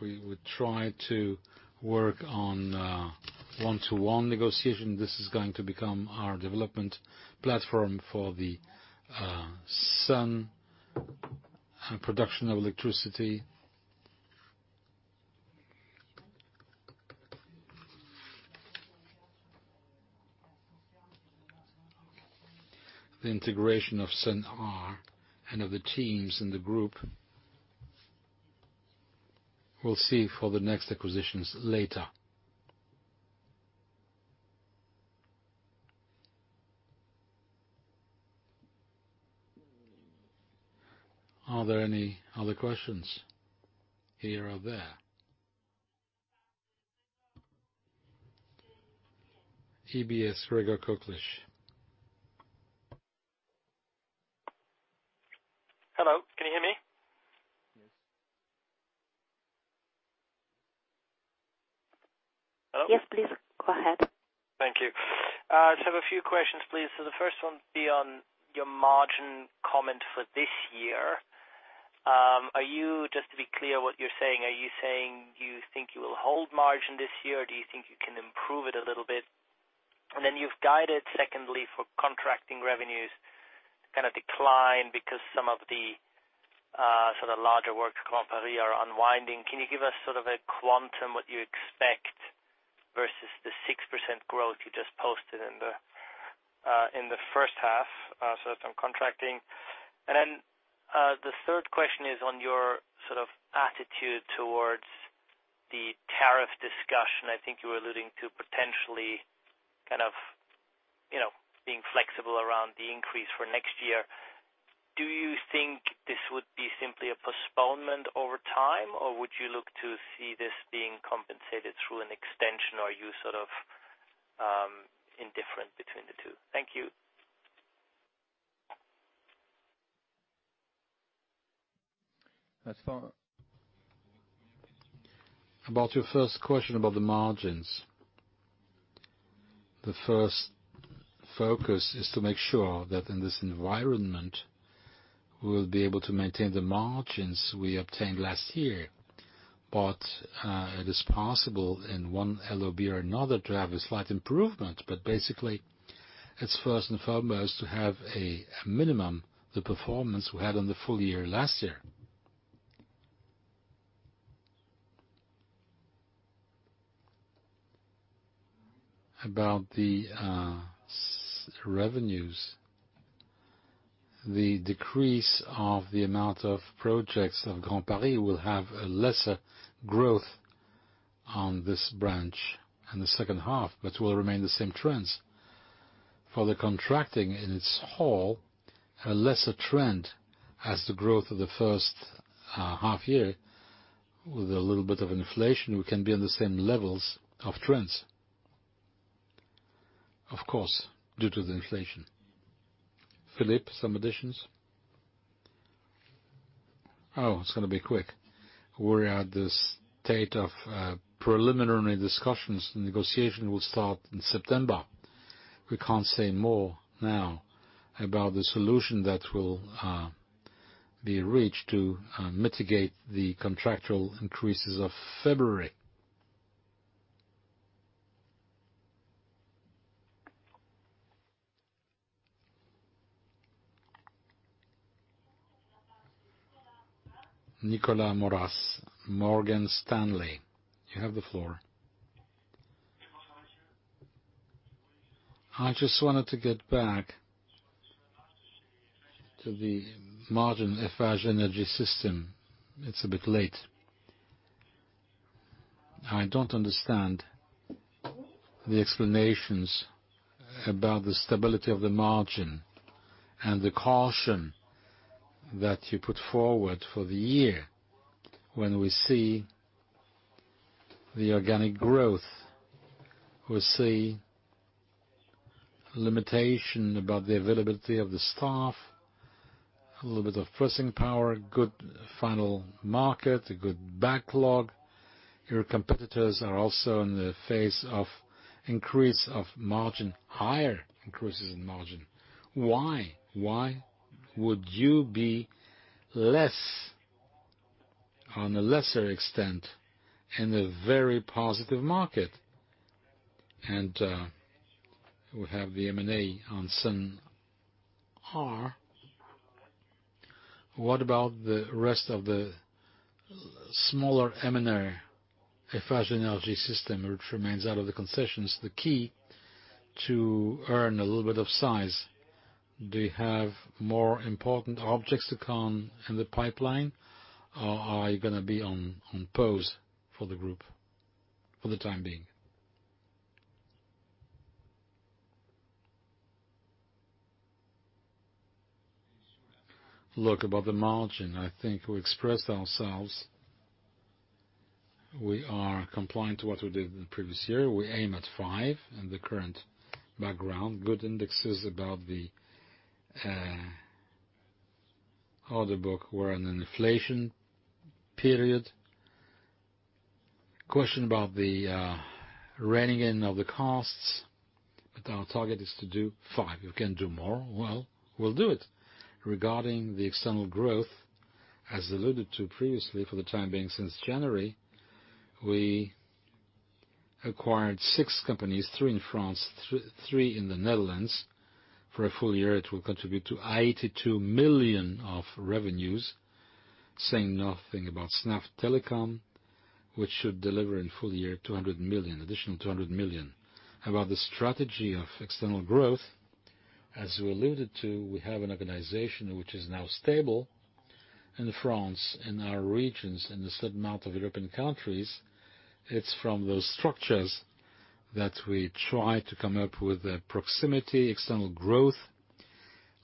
We would try to work on a one-to-one negotiation. This is going to become our development platform for the Sun'R and production of electricity. The integration of Sun'R and of the teams in the group. We'll see for the next acquisitions later. Are there any other questions here or there? UBS, Gregor Kuglitsch. Hello. Can you hear me? Yes. Hello? Yes, please. Go ahead. Thank you. I just have a few questions, please. The first one is on your margin comment for this year. Are you, just to be clear what you're saying, are you saying you think you will hold margin this year, or do you think you can improve it a little bit? You've guided, secondly, for contracting revenues to kind of decline because some of the sort of larger works at Grand Paris are unwinding. Can you give us sort of a quantum, what you expect versus the 6% growth you just posted in the first half, sort of on contracting? The third question is on your sort of attitude towards the tariff discussion. I think you were alluding to potentially kind of, you know, being flexible around the increase for next year. Do you think this would be simply a postponement over time, or would you look to see this being compensated through an extension? Or are you sort of, indifferent between the two? Thank you. Nice one, about your first question about the margins. The first focus is to make sure that in this environment, we'll be able to maintain the margins we obtained last year. But it is possible in one LOB or another to have a slight improvement, but basically, it's first and foremost to have a minimum the performance we had on the full year last year. About the revenues. The decrease of the amount of projects of Grand Paris will have a lesser growth on this branch in the second half, but will remain the same trends. For the contracting in its whole, a lesser trend as the growth of the first half year with a little bit of inflation, we can be on the same levels of trends. Of course, due to the inflation. Philippe, some additions? Oh, it's gonna be quick. We're at the state of preliminary discussions. Negotiation will start in September. We can't say more now about the solution that will be reached to mitigate the contractual increases of February. Nicolas Mora, Morgan Stanley. You have the floor. I just wanted to get back to the margin Eiffage Énergie Systèmes. It's a bit late. I don't understand the explanations about the stability of the margin and the caution that you put forward for the year. When we see the organic growth, we see limitation about the availability of the staff, a little bit of pricing power, good end market, a good backlog. Your competitors are also in the phase of increase of margin, higher increases in margin. Why? Why would you be less on a lesser extent in a very positive market? We have the M&A on Sun'R. What about the rest of the smaller M&A Eiffage Énergie Systèmes, which remains out of the concessions, the key to earn a little bit of size? Do you have more important targets to come in the pipeline, or are you gonna be on pause for the group for the time being? Look, about the margin, I think we expressed ourselves. We are compliant to what we did in the previous year. We aim at 5% in the current background. Good indices about the order book. We're in an inflation period. Question about the reining in of the costs, but our target is to do 5%. We can do more. Well, we'll do it. Regarding the external growth, as alluded to previously, for the time being, since January, we acquired six companies, three in France, three in the Netherlands. For a full year, it will contribute to 82 million of revenues, saying nothing about SNEF Telecom, which should deliver in full year 200 million, additional 200 million. About the strategy of external growth, as we alluded to, we have an organization which is now stable in France, in our regions, in the certain amount of European countries. It's from those structures that we try to come up with a proximity, external growth,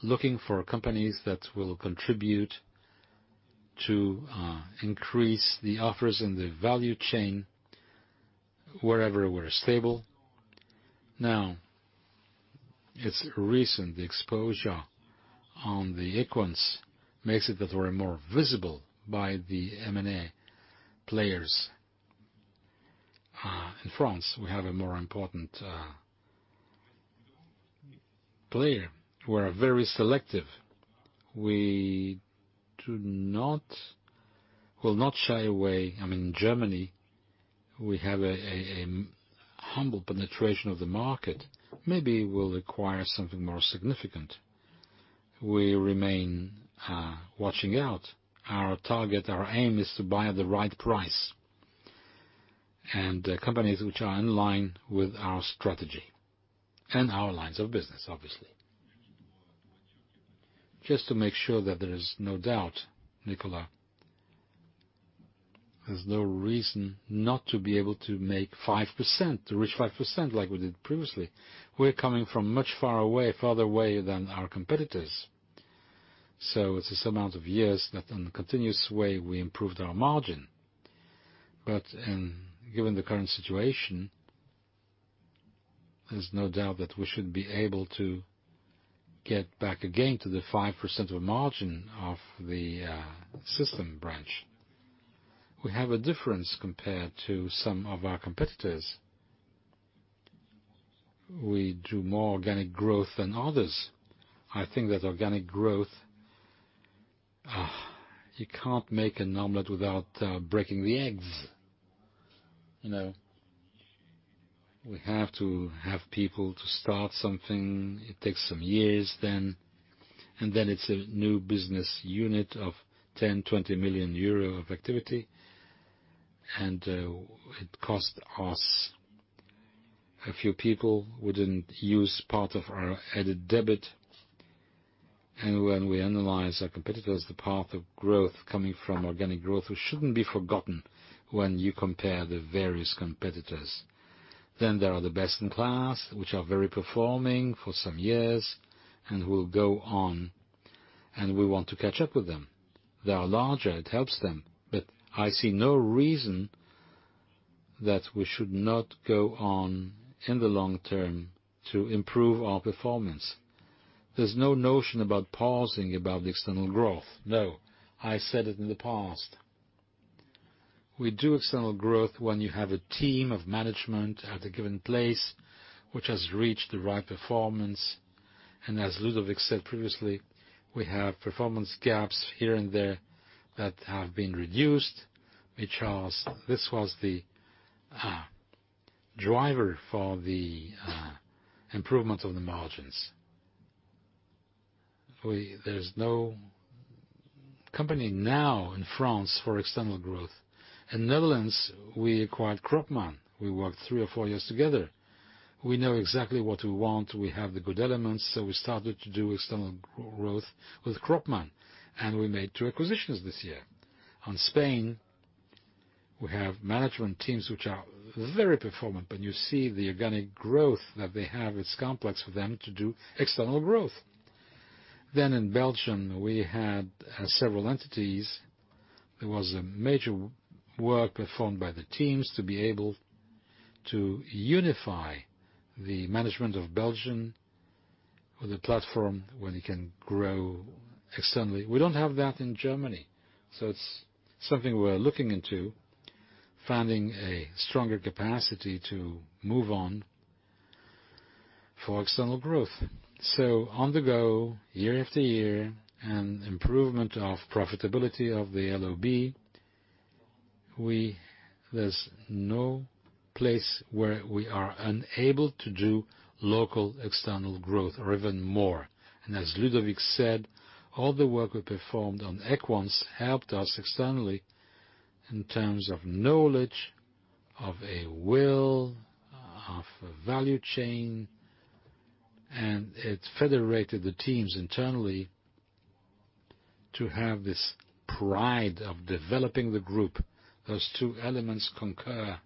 looking for companies that will contribute to increase the offers in the value chain wherever we're stable. Now, it's recent. The exposure on the Equans makes it that we're more visible by the M&A players. In France, we have a more important player. We're very selective. We will not shy away. I mean, Germany, we have a humble penetration of the market. Maybe we'll acquire something more significant. We remain watching out. Our target, our aim is to buy at the right price, and companies which are in line with our strategy and our lines of business, obviously. Just to make sure that there is no doubt, Nicolas, there's no reason not to be able to make 5%, to reach 5% like we did previously. We're coming from much far away, farther away than our competitors. It's this amount of years that in the continuous way we improved our margin. Given the current situation, there's no doubt that we should be able to get back again to the 5% of margin of the system branch. We have a difference compared to some of our competitors. We do more organic growth than others. I think that organic growth, you can't make an omelet without breaking the eggs, you know. We have to have people to start something. It takes some years then, and then it's a new business unit of 10-20 million euro of activity, and it costs us a few people. We didn't use part of our EBITDA. When we analyze our competitors, the path of growth coming from organic growth, which shouldn't be forgotten when you compare the various competitors. There are the best in class, which are very performing for some years and will go on, and we want to catch up with them. They are larger. It helps them. I see no reason that we should not go on in the long term to improve our performance. There's no notion about pausing about the external growth. No. I said it in the past. We do external growth when you have a team of management at a given place which has reached the right performance. As Ludovic said previously, we have performance gaps here and there that have been reduced, which has. This was the driver for the improvement of the margins. There's no company now in France for external growth. In Netherlands, we acquired Kropman, we worked three or four years together. We know exactly what we want. We have the good elements, so we started to do external growth with Kropman, and we made two acquisitions this year. In Spain, we have management teams which are very performant. You see the organic growth that they have, it's complex for them to do external growth. In Belgium, we had several entities. There was a major work performed by the teams to be able to unify the management of Belgium with a platform where they can grow externally. We don't have that in Germany, so it's something we're looking into, finding a stronger capacity to move on for external growth. So on the go, year after year, and improvement of profitability of the LOB. There's no place where we are unable to do local external growth or even more. As Ludovic said, all the work we performed on Equans helped us externally in terms of knowledge, of a will, of a value chain and it federated the teams internally to have this pride of developing the group. Those two elements concur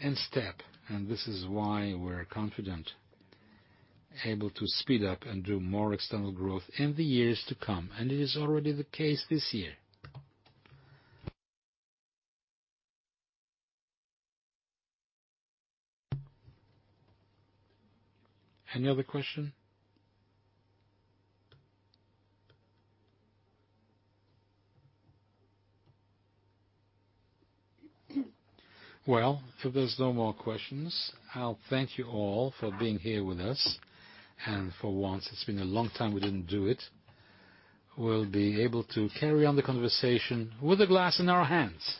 in step, and this is why we're confident, able to speed up and do more external growth in the years to come. It is already the case this year. Any other question? Well, if there's no more questions, I'll thank you all for being here with us. For once, it's been a long time, we didn't do it, we'll be able to carry on the conversation with a glass in our hands.